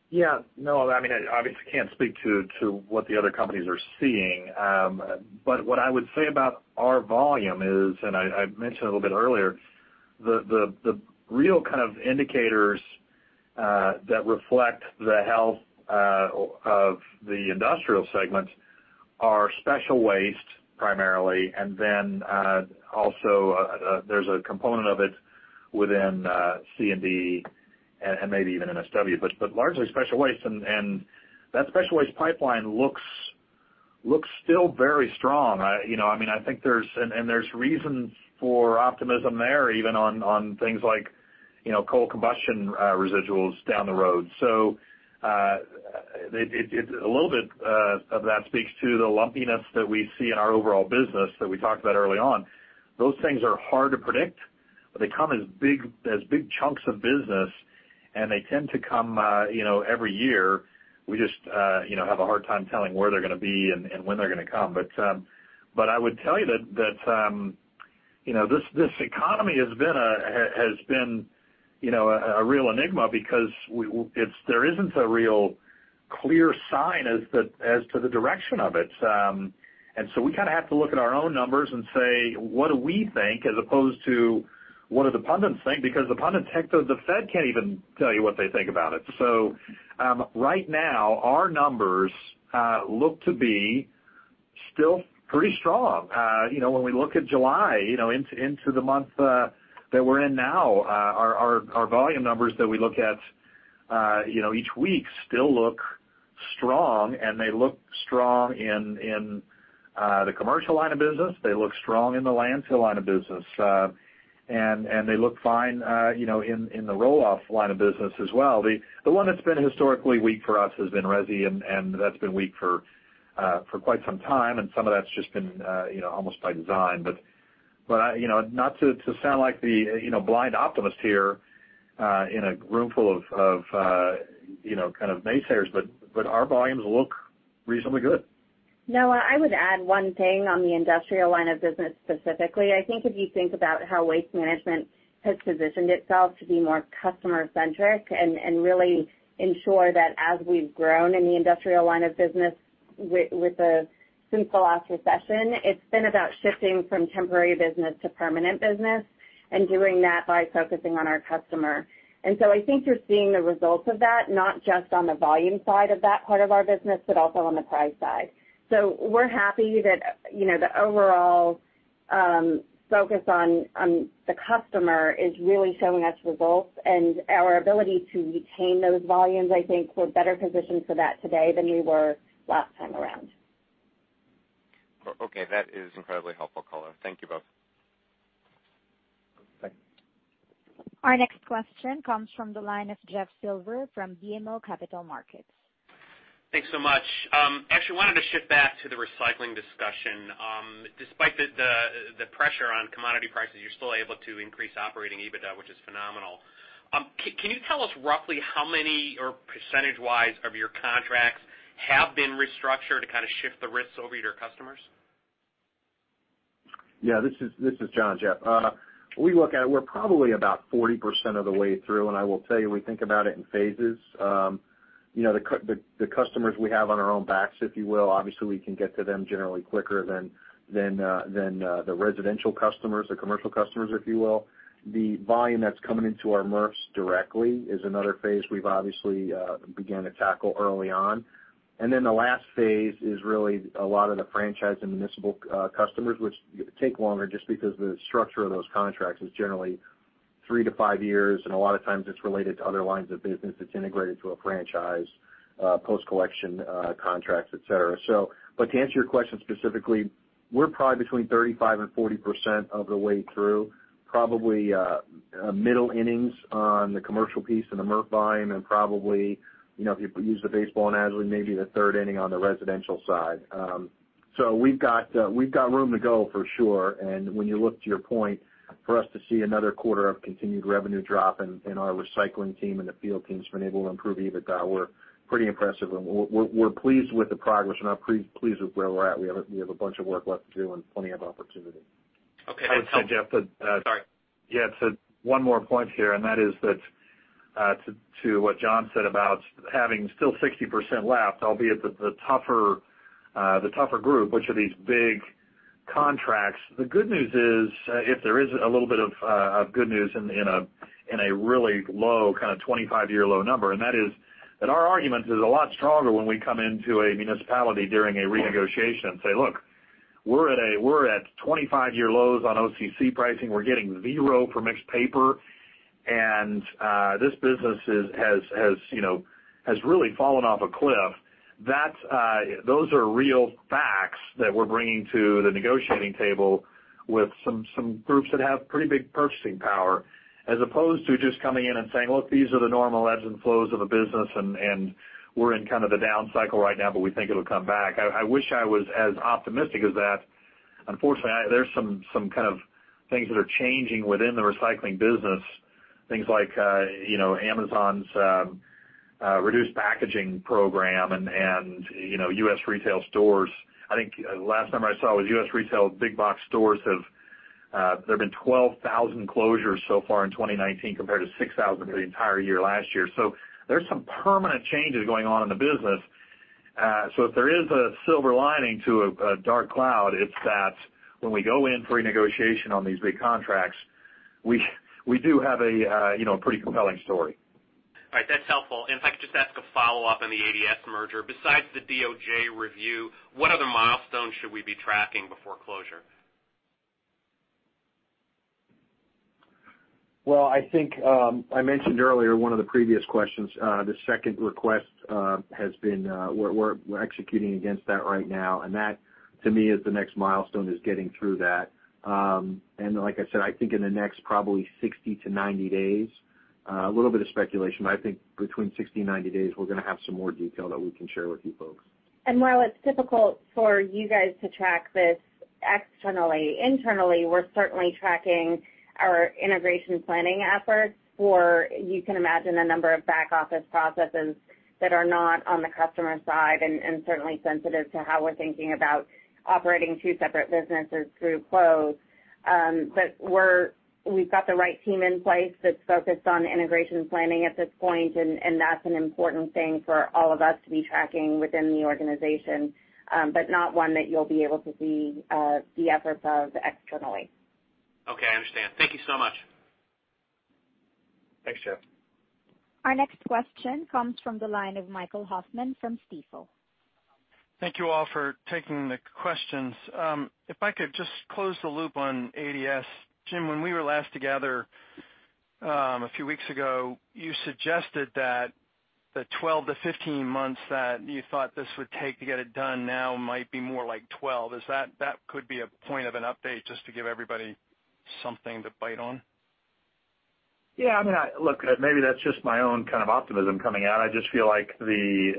Yeah, Noah, I obviously can't speak to what the other companies are seeing. What I would say about our volume is, and I mentioned a little bit earlier, the real kind of indicators that reflect the health of the industrial segment are special waste primarily, and then also there's a component of it within C&D and maybe even MSW, but largely special waste. That special waste pipeline looks still very strong. I think there's reasons for optimism there, even on things like Coal Combustion Residuals down the road. A little bit of that speaks to the lumpiness that we see in our overall business that we talked about early on. Those things are hard to predict, but they come as big chunks of business, and they tend to come every year. We just have a hard time telling where they're going to be and when they're going to come. I would tell you that this economy has been a real enigma because there isn't a real clear sign as to the direction of it. We kind of have to look at our own numbers and say, what do we think as opposed to what do the pundits think? The pundits heck, the Fed can't even tell you what they think about it. Right now, our numbers look to be still pretty strong. When we look at July into the month that we're in now, our volume numbers that we look at each week still look strong, and they look strong in the commercial line of business. They look strong in the landfill line of business. They look fine in the roll-off line of business as well. The one that's been historically weak for us has been resi, that's been weak for quite some time, some of that's just been almost by design. Not to sound like the blind optimist here in a room full of kind of naysayers, our volumes look reasonably good. Noah, I would add one thing on the industrial line of business specifically. I think if you think about how Waste Management has positioned itself to be more customer-centric and really ensure that as we've grown in the industrial line of business since the last recession, it's been about shifting from temporary business to permanent business, and doing that by focusing on our customer. I think you're seeing the results of that, not just on the volume side of that part of our business, but also on the price side. We're happy that the overall focus on the customer is really showing us results, and our ability to retain those volumes, I think, we're better positioned for that today than we were last time around. Okay. That is incredibly helpful color. Thank you both. Thank you. Our next question comes from the line of Jeff Silber from BMO Capital Markets. Thanks so much. Actually wanted to shift back to the recycling discussion. Despite the pressure on commodity prices, you're still able to increase operating EBITDA, which is phenomenal. Can you tell us roughly how many or percentage-wise of your contracts have been restructured to kind of shift the risks over to your customers? Yeah, this is John, Jeff. We look at it, we're probably about 40% of the way through, and I will tell you, we think about it in phases. The customers we have on our own backs, if you will, obviously we can get to them generally quicker than the residential customers, the commercial customers, if you will. The volume that's coming into our MRFs directly is another phase we've obviously began to tackle early on. Then the last phase is really a lot of the franchise and municipal customers, which take longer just because the structure of those contracts is generally three to five years, and a lot of times it's related to other lines of business that's integrated to a franchise, post-collection contracts, et cetera. To answer your question specifically, we're probably between 35% and 40% of the way through. Probably middle innings on the commercial piece and the MRF volume, probably, if you use the baseball analogy, maybe the third inning on the residential side. We've got room to go, for sure. When you look, to your point, for us to see another quarter of continued revenue drop and our recycling team and the field team's been able to improve EBITDA, we're pretty impressive and we're pleased with the progress and are pleased with where we're at. We have a bunch of work left to do and plenty of opportunity. Okay. That's helpful. I would say, Jeff. Sorry. Yeah, one more point here, to what John said about having still 60% left, albeit the tougher group, which are these big contracts. The good news is, if there is a little bit of good news in a really low, kind of 25-year low number, our argument is a lot stronger when we come into a municipality during a renegotiation and say, "Look, we're at 25-year lows on OCC pricing. We're getting zero for mixed paper. This business has really fallen off a cliff." Those are real facts that we're bringing to the negotiating table with some groups that have pretty big purchasing power, as opposed to just coming in and saying, "Look, these are the normal ebbs and flows of a business, and we're in kind of the down cycle right now, but we think it'll come back." I wish I was as optimistic as that. Unfortunately, there's some kind of things that are changing within the recycling business. Things like Amazon's reduced packaging program and U.S. retail stores. I think last number I saw was U.S. retail big box stores have, there have been 12,000 closures so far in 2019 compared to 6,000 for the entire year last year. There's some permanent changes going on in the business. If there is a silver lining to a dark cloud, it's that when we go in for a negotiation on these recontracts, we do have a pretty compelling story. All right. That's helpful. If I could just ask a follow-up on the ADS merger. Besides the DOJ review, what other milestones should we be tracking before closure? Well, I think, I mentioned earlier, one of the previous questions, the second request, we're executing against that right now. That to me is the next milestone, is getting through that. Like I said, I think in the next probably 60 to 90 days, a little bit of speculation, but I think between 60 and 90 days, we're going to have some more detail that we can share with you folks. While it's difficult for you guys to track this externally, internally, we're certainly tracking our integration planning efforts for, you can imagine, a number of back office processes that are not on the customer side and certainly sensitive to how we're thinking about operating two separate businesses through close. We've got the right team in place that's focused on integration planning at this point, and that's an important thing for all of us to be tracking within the organization. Not one that you'll be able to see the efforts of externally. Okay. I understand. Thank you so much. Thanks, Jeff. Our next question comes from the line of Michael Hoffman from Stifel. Thank you all for taking the questions. If I could just close the loop on ADS. Jim, when we were last together a few weeks ago, you suggested that the 12-15 months that you thought this would take to get it done now might be more like 12. That could be a point of an update just to give everybody something to bite on? Yeah. Look, maybe that's just my own kind of optimism coming out. I just feel like the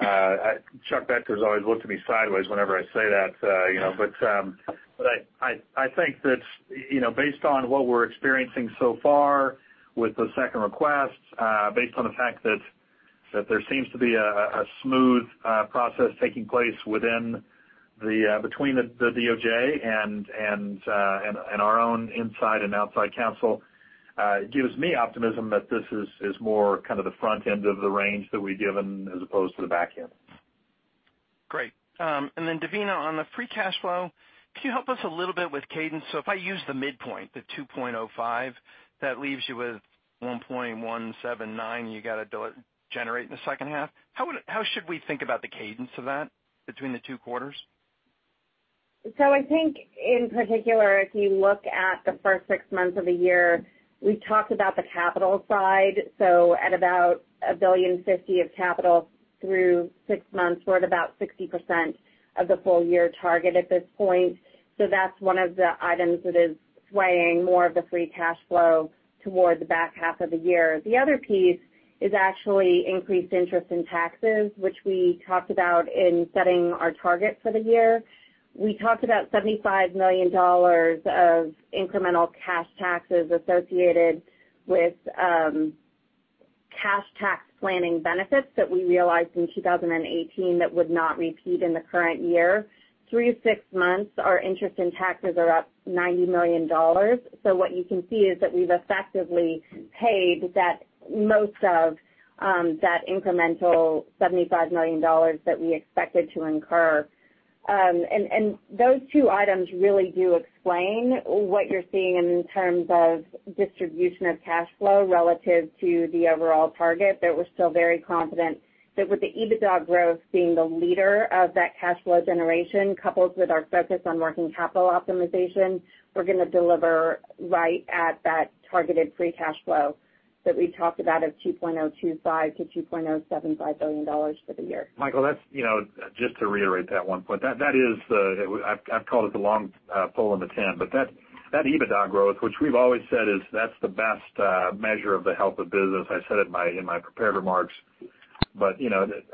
Chuck Boettcher's always looked at me sideways whenever I say that. I think that based on what we're experiencing so far with the second request, based on the fact that there seems to be a smooth process taking place between the DOJ and our own inside and outside counsel, gives me optimism that this is more kind of the front end of the range that we've given as opposed to the back end. Great. Devina, on the free cash flow, can you help us a little bit with cadence? If I use the midpoint, the $2.05, that leaves you with $1.179, you got to generate in the second half. How should we think about the cadence of that between the two quarters? I think in particular, if you look at the first six months of the year, we talked about the capital side. At about $1.05 billion of capital through six months, we're at about 60% of the full year target at this point. That's one of the items that is swaying more of the free cash flow toward the back half of the year. The other piece is actually increased interest in taxes, which we talked about in setting our target for the year. We talked about $75 million of incremental cash taxes associated with cash tax planning benefits that we realized in 2018 that would not repeat in the current year. Through six months, our interest in taxes are up $90 million. What you can see is that we've effectively paid most of that incremental $75 million that we expected to incur. Those two items really do explain what you're seeing in terms of distribution of cash flow relative to the overall target, that we're still very confident that with the EBITDA growth being the leader of that cash flow generation, coupled with our focus on working capital optimization, we're going to deliver right at that targeted free cash flow that we talked about of $2.025 billion-$2.075 billion for the year. Michael, just to reiterate that one point, I've called it the long pole in the tent, but that EBITDA growth, which we've always said is that's the best measure of the health of business. I said it in my prepared remarks, but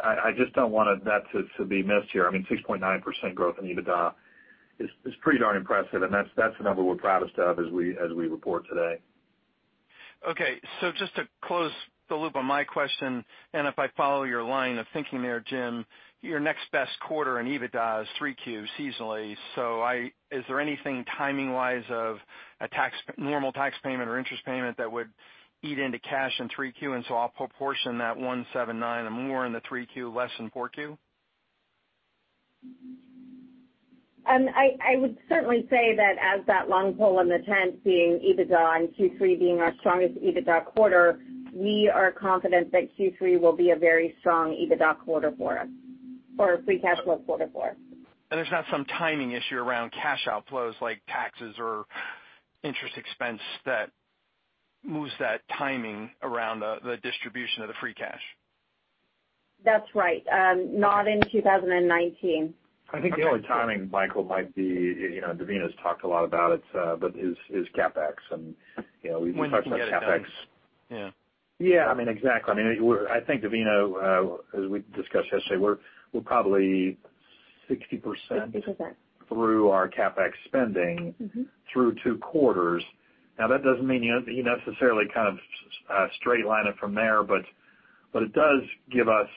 I just don't want that to be missed here. I mean, 6.9% growth in EBITDA is pretty darn impressive, and that's the number we're proudest of as we report today. Just to close the loop on my question, and if I follow your line of thinking there, Jim, your next best quarter in EBITDA is 3Q seasonally. Is there anything timing-wise of a normal tax payment or interest payment that would eat into cash in 3Q, and so I'll proportion that $1.79 more in the 3Q, less in 4Q? I would certainly say that as that long pole in the tent being EBITDA and Q3 being our strongest EBITDA quarter, we are confident that Q3 will be a very strong EBITDA quarter for us, or a free cash flow quarter for us. There's not some timing issue around cash outflows like taxes or interest expense that moves that timing around the distribution of the free cash? That's right. Not in 2019. I think the only timing, Michael, might be, Devina's talked a lot about it, but is CapEx and we talked about CapEx. When you can get it done. Yeah. Yeah, exactly. I think Devina, as we discussed yesterday, we're probably 60%. 60% through our CapEx spending through two quarters. Now, that doesn't mean you necessarily kind of straight line it from there, but it does give us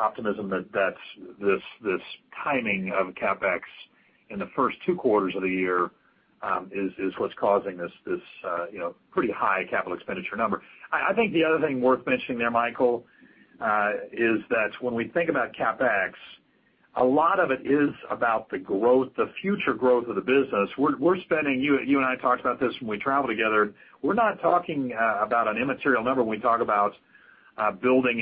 optimism that this timing of CapEx in the first two quarters of the year is what's causing this pretty high capital expenditure number. I think the other thing worth mentioning there, Michael, is that when we think about CapEx, a lot of it is about the future growth of the business. You and I talked about this when we travel together. We're not talking about an immaterial number when we talk about building,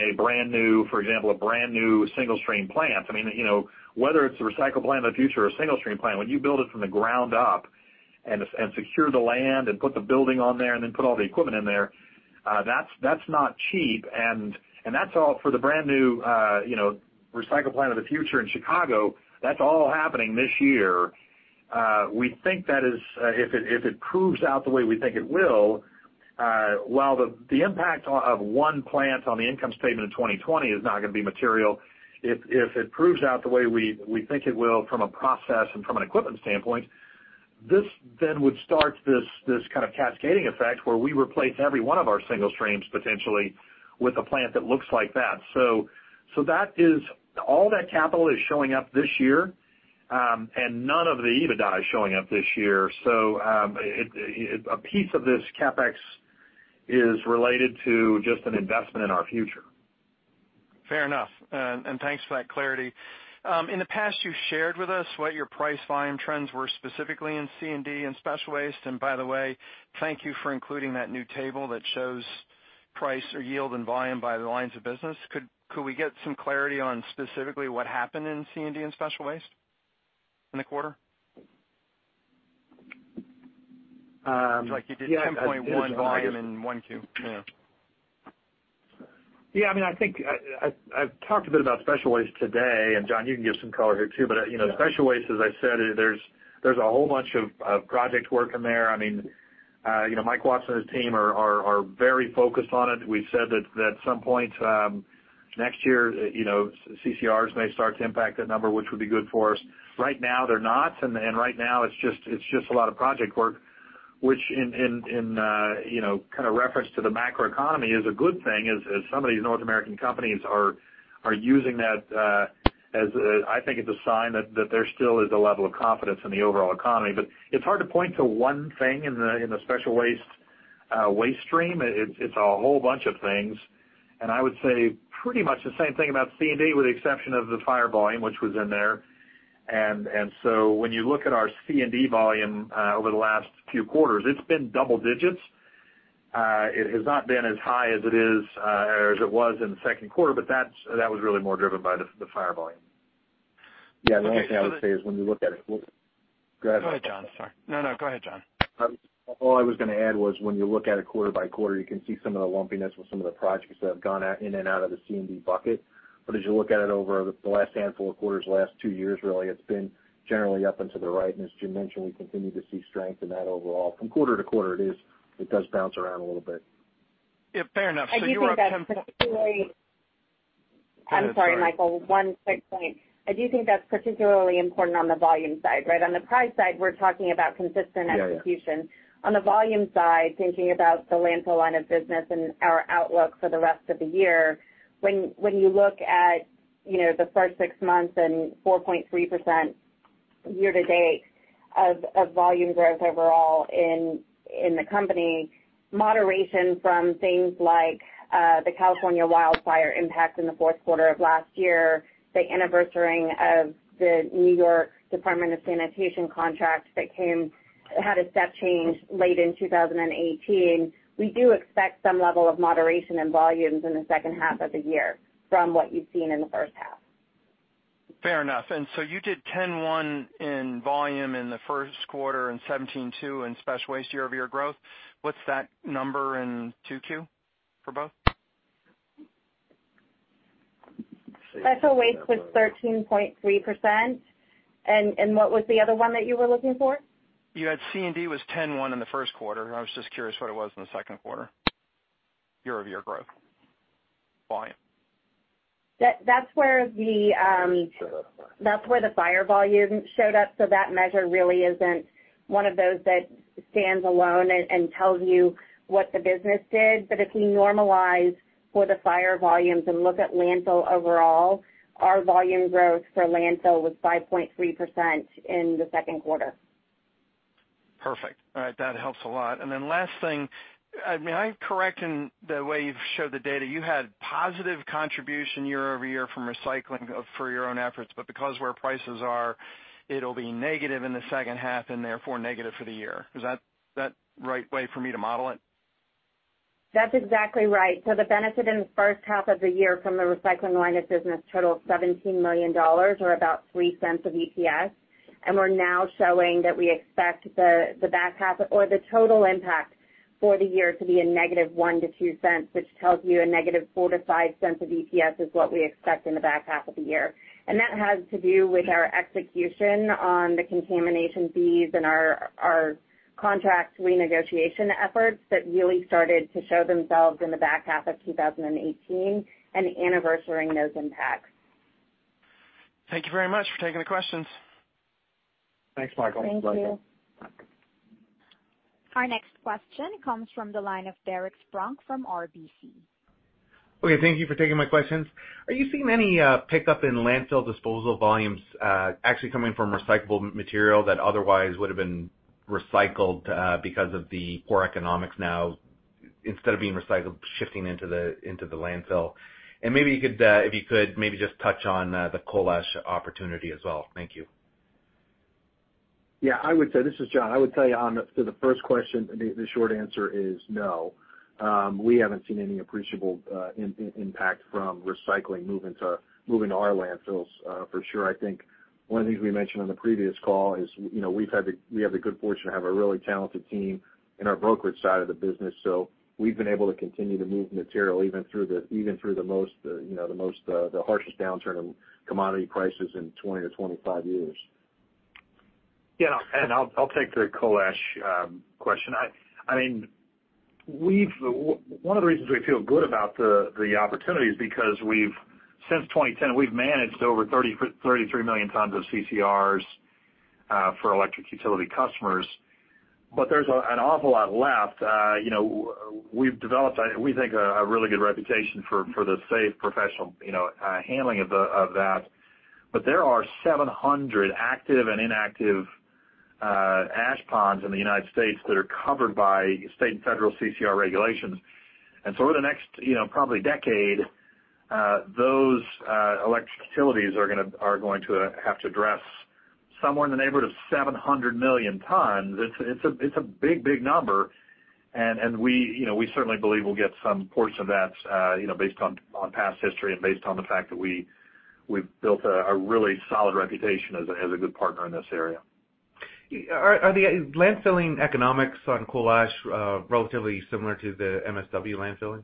for example, a brand new single-stream plant. Whether it's a recycle plant of the future or a single-stream plant, when you build it from the ground up and secure the land and put the building on there and then put all the equipment in there, that's not cheap. That's all for the brand new recycle plant of the future in Chicago. That's all happening this year. If it proves out the way we think it will, while the impact of one plant on the income statement in 2020 is not going to be material, if it proves out the way we think it will from a process and from an equipment standpoint, this then would start this kind of cascading effect where we replace every one of our single streams potentially with a plant that looks like that. All that capital is showing up this year, and none of the EBITDA is showing up this year. A piece of this CapEx is related to just an investment in our future. Fair enough. Thanks for that clarity. In the past, you shared with us what your price volume trends were specifically in C&D and special waste. By the way, thank you for including that new table that shows price or yield and volume by the lines of business. Could we get some clarity on specifically what happened in C&D and special waste in the quarter? It's like you did 10.1 volume in 1Q. Yeah. I think I've talked a bit about special waste today. John, you can give some color here, too. Special waste, as I said, there's a whole bunch of project work in there. Mike Watson and his team are very focused on it. We've said that at some point next year, CCRs may start to impact that number, which would be good for us. Right now, they're not. Right now it's just a lot of project work, which in reference to the macroeconomy is a good thing. Some of these North American companies are using that as, I think it's a sign that there still is a level of confidence in the overall economy. It's hard to point to one thing in the special waste stream. It's a whole bunch of things, and I would say pretty much the same thing about C&D, with the exception of the fire volume, which was in there. When you look at our C&D volume over the last few quarters, it's been double digits. It has not been as high as it was in the second quarter, but that was really more driven by the fire volume. Yeah. The only thing I would say is when you look at it, go ahead. Go ahead, John. Sorry. No, no, go ahead, John. All I was going to add was when you look at it quarter by quarter, you can see some of the lumpiness with some of the projects that have gone in and out of the C&D bucket. As you look at it over the last handful of quarters, last two years, really, it's been generally up and to the right, and as Jim mentioned, we continue to see strength in that overall. From quarter to quarter, it does bounce around a little bit. Yeah, fair enough. I'm sorry, Michael, one quick point. I do think that's particularly important on the volume side, right? On the price side, we're talking about consistent execution. Yeah, yeah. On the volume side, thinking about the landfill line of business and our outlook for the rest of the year, when you look at the first six months and 4.3% year-to-date of volume growth overall in the company, moderation from things like the California wildfire impact in the fourth quarter of last year, the anniversarying of the New York City Department of Sanitation contract that had a step change late in 2018. We do expect some level of moderation in volumes in the second half of the year from what you've seen in the first half. Fair enough. You did 10.1 in volume in the first quarter and 17.2 in special waste year-over-year growth. What's that number in 2Q for both? Special waste was 13.3%, and what was the other one that you were looking for? You had C&D was 10/1 in the first quarter, and I was just curious what it was in the second quarter, year-over-year growth volume. That's where. It showed up there. That's where the fire volume showed up, that measure really isn't one of those that stands alone and tells you what the business did. If you normalize for the fire volumes and look at landfill overall, our volume growth for landfill was 5.3% in the second quarter. Perfect. All right. That helps a lot. Then last thing, am I correct in the way you've showed the data? You had positive contribution year-over-year from recycling for your own efforts, but because where prices are, it'll be negative in the second half and therefore negative for the year. Is that right way for me to model it? That's exactly right. The benefit in the first half of the year from the recycling line of business totaled $17 million, or about $0.03 of EPS. We're now showing that we expect the total impact for the year to be a negative $0.01-$0.02, which tells you a -$0.04 to -$0.05 of EPS is what we expect in the back half of the year. That has to do with our execution on the contamination fees and our contract renegotiation efforts that really started to show themselves in the back half of 2018 and anniversarying those impacts. Thank you very much for taking the questions. Thanks, Michael. Thank you. You're welcome. Our next question comes from the line of Derek Spronck from RBC. Okay. Thank you for taking my questions. Are you seeing any pickup in landfill disposal volumes actually coming from recyclable material that otherwise would've been recycled because of the poor economics now, instead of being recycled, shifting into the landfill? Maybe if you could maybe just touch on the coal ash opportunity as well. Thank you. Yeah, this is John. I would tell you on to the first question, the short answer is no. We haven't seen any appreciable impact from recycling moving to our landfills for sure. I think one of the things we mentioned on the previous call is we have the good fortune to have a really talented team in our brokerage side of the business. We've been able to continue to move material even through the harshest downturn in commodity prices in 20-25 years. Yeah, I'll take the coal ash question. One of the reasons we feel good about the opportunity is because since 2010, we've managed over 33 million tons of CCRs for electric utility customers, but there's an awful lot left. We've developed, we think, a really good reputation for the safe professional handling of that. There are 700 active and inactive ash ponds in the U.S. that are covered by state and federal CCR regulations. Over the next probably decade, those electric utilities are going to have to address somewhere in the neighborhood of 700 million tons. It's a big, big number, and we certainly believe we'll get some portion of that based on past history and based on the fact that we've built a really solid reputation as a good partner in this area. Are the landfilling economics on coal ash relatively similar to the MSW landfilling?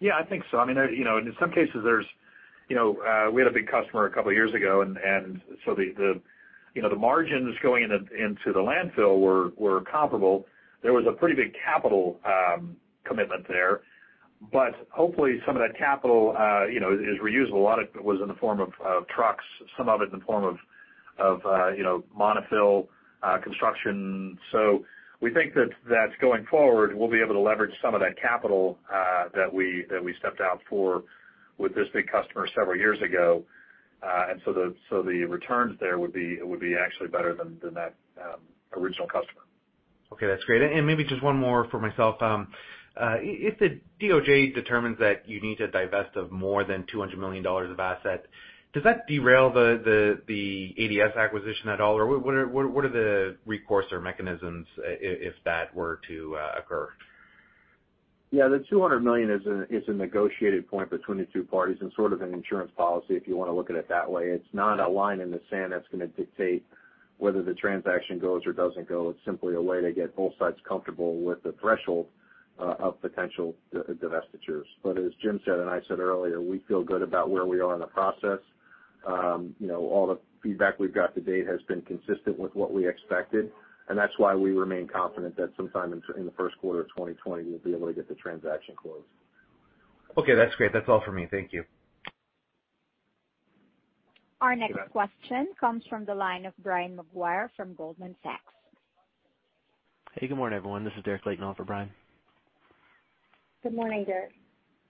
Yeah, I think so. In some cases, there's. We had a big customer a couple of years ago, the margins going into the landfill were comparable. There was a pretty big capital commitment there. Hopefully, some of that capital is reused. A lot of it was in the form of trucks, some of it in the form of monofill construction. We think that going forward, we'll be able to leverage some of that capital that we stepped out for with this big customer several years ago. The returns there would be actually better than that original customer. Okay, that's great. Maybe just one more for myself. If the DOJ determines that you need to divest of more than $200 million of assets, does that derail the ADS acquisition at all? What are the recourse or mechanisms if that were to occur? Yeah, the $200 million is a negotiated point between the two parties and sort of an insurance policy, if you want to look at it that way. It's not a line in the sand that's going to dictate whether the transaction goes or doesn't go. It's simply a way to get both sides comfortable with the threshold of potential divestitures. As Jim said, and I said earlier, we feel good about where we are in the process. All the feedback we've got to date has been consistent with what we expected, and that's why we remain confident that sometime in the first quarter of 2020, we'll be able to get the transaction closed. Okay, that's great. That's all for me. Thank you. Our next question comes from the line of Brian Maguire from Goldman Sachs. Hey, good morning, everyone. This is Derrick Laton on for Brian. Good morning, Derrick.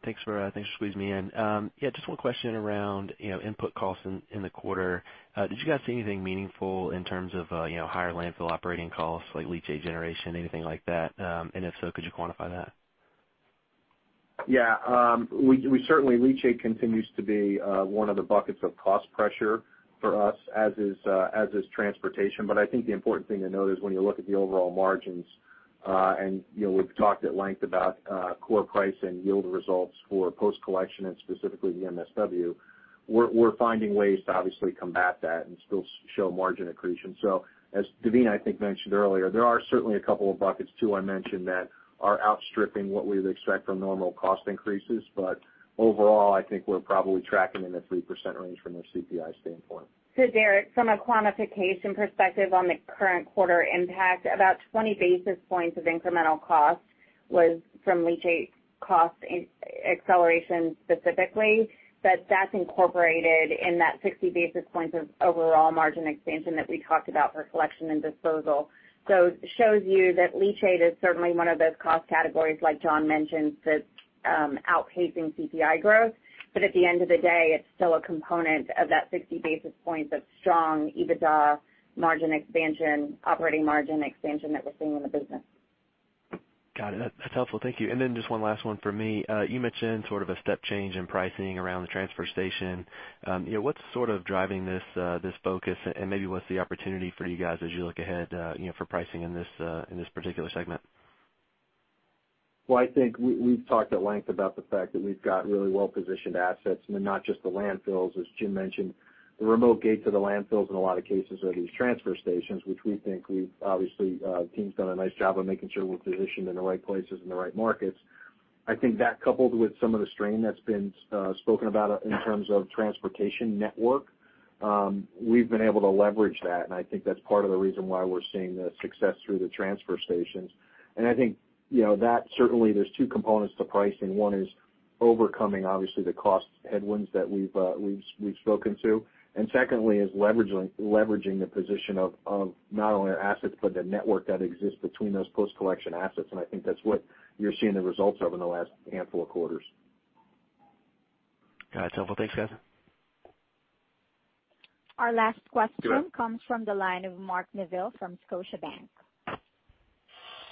Thanks for squeezing me in. Yeah, just one question around input costs in the quarter. Did you guys see anything meaningful in terms of higher landfill operating costs, like leachate generation, anything like that? If so, could you quantify that? Yeah. Certainly, leachate continues to be one of the buckets of cost pressure for us, as is transportation. I think the important thing to note is when you look at the overall margins, and we've talked at length about core price and yield results for post-collection and specifically MSW, we're finding ways to obviously combat that and still show margin accretion. As Devine, I think, mentioned earlier, there are certainly a couple of buckets, two I mentioned, that are outstripping what we would expect from normal cost increases. Overall, I think we're probably tracking in the 3% range from a CPI standpoint. Derrick, from a quantification perspective on the current quarter impact, about 20 basis points of incremental cost was from leachate cost acceleration specifically. That's incorporated in that 60 basis points of overall margin expansion that we talked about for collection and disposal. It shows you that leachate is certainly one of those cost categories, like John mentioned, that's outpacing CPI growth. At the end of the day, it's still a component of that 60 basis points of strong EBITDA margin expansion, operating margin expansion that we're seeing in the business. Got it. That's helpful. Thank you. Just one last one for me. You mentioned sort of a step change in pricing around the transfer station. What's sort of driving this focus, and maybe what's the opportunity for you guys as you look ahead for pricing in this particular segment? Well, I think we've talked at length about the fact that we've got really well-positioned assets, and not just the landfills, as Jim mentioned. The remote gate to the landfills in a lot of cases are these transfer stations, which we think the team's done a nice job of making sure we're positioned in the right places, in the right markets. I think that coupled with some of the strain that's been spoken about in terms of transportation network, we've been able to leverage that, and I think that's part of the reason why we're seeing the success through the transfer stations. I think that certainly there's two components to pricing. One is overcoming, obviously, the cost headwinds that we've spoken to. Secondly is leveraging the position of not only our assets, but the network that exists between those post-collection assets. I think that's what you're seeing the results of in the last handful of quarters. Got it. That's helpful. Thanks, guys. Our last question comes from the line of Mark Neville from Scotiabank.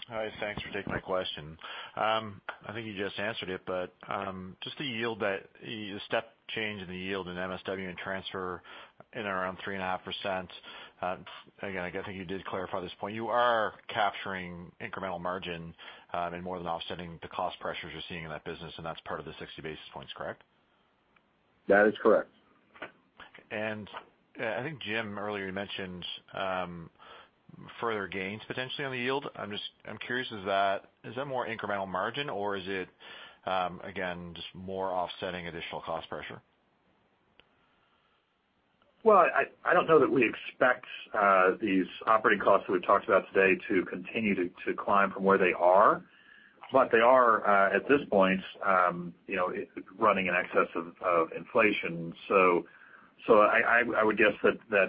Hi. Thanks for taking my question. I think you just answered it, just the step change in the yield in MSW and transfer in around 3.5%. Again, I think you did clarify this point. You are capturing incremental margin and more than offsetting the cost pressures you're seeing in that business, and that's part of the 60 basis points, correct? That is correct. I think Jim earlier mentioned further gains potentially on the yield. I'm curious, is that more incremental margin or is it, again, just more offsetting additional cost pressure? Well, I don't know that we expect these operating costs that we've talked about today to continue to climb from where they are. They are, at this point, running in excess of inflation. I would guess that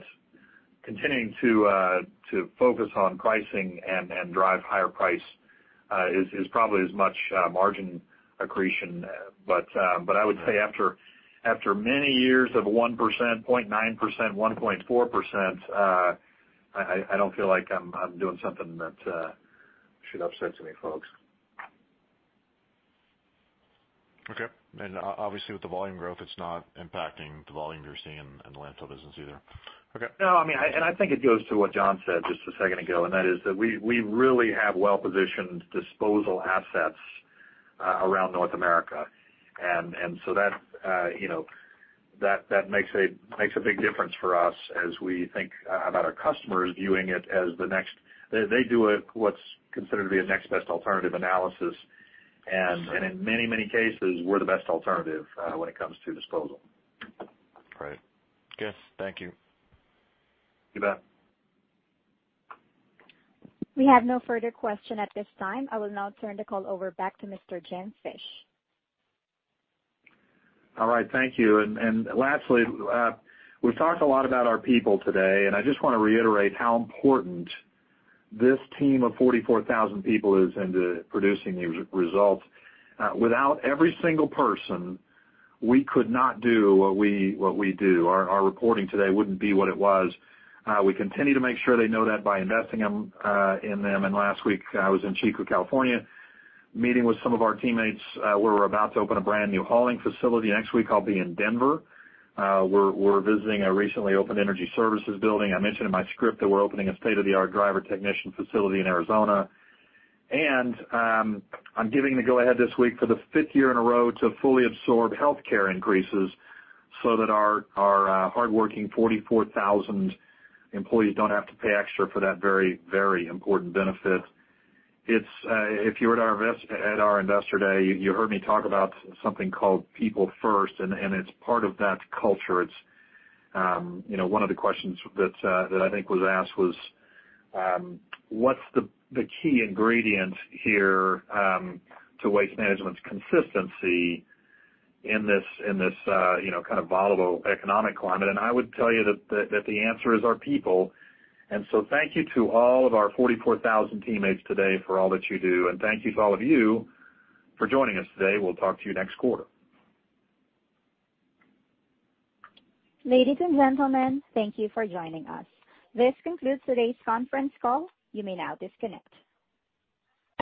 continuing to focus on pricing and drive higher price is probably as much margin accretion. I would say after many years of 1%, 0.9%, 1.4%, I don't feel like I'm doing something that should upset too many folks. Okay. Obviously, with the volume growth, it's not impacting the volume you're seeing in the landfill business either. Okay. No, I think it goes to what John said just a second ago, that is that we really have well-positioned disposal assets around North America. That makes a big difference for us as we think about our customers viewing it as They do what's considered to be a next best alternative analysis. In many cases, we're the best alternative when it comes to disposal. Right. Guess, thank you. You bet. We have no further question at this time. I will now turn the call over back to Mr. Jim Fish. All right, thank you. Lastly, we've talked a lot about our people today, and I just want to reiterate how important this team of 44,000 people is into producing these results. Without every single person, we could not do what we do. Our reporting today wouldn't be what it was. We continue to make sure they know that by investing in them. Last week, I was in Chico, California, meeting with some of our teammates. We're about to open a brand-new hauling facility. Next week, I'll be in Denver. We're visiting a recently opened energy services building. I mentioned in my script that we're opening a state-of-the-art driver technician facility in Arizona. I'm giving the go-ahead this week for the fifth year in a row to fully absorb healthcare increases so that our hardworking 44,000 employees don't have to pay extra for that very, very important benefit. If you were at our Investor Day, you heard me talk about something called People First. It's part of that culture. One of the questions that I think was asked was, what's the key ingredient here to Waste Management's consistency in this kind of volatile economic climate? I would tell you that the answer is our people. Thank you to all of our 44,000 teammates today for all that you do. Thank you to all of you for joining us today. We'll talk to you next quarter. Ladies and gentlemen, thank you for joining us. This concludes today's conference call. You may now disconnect.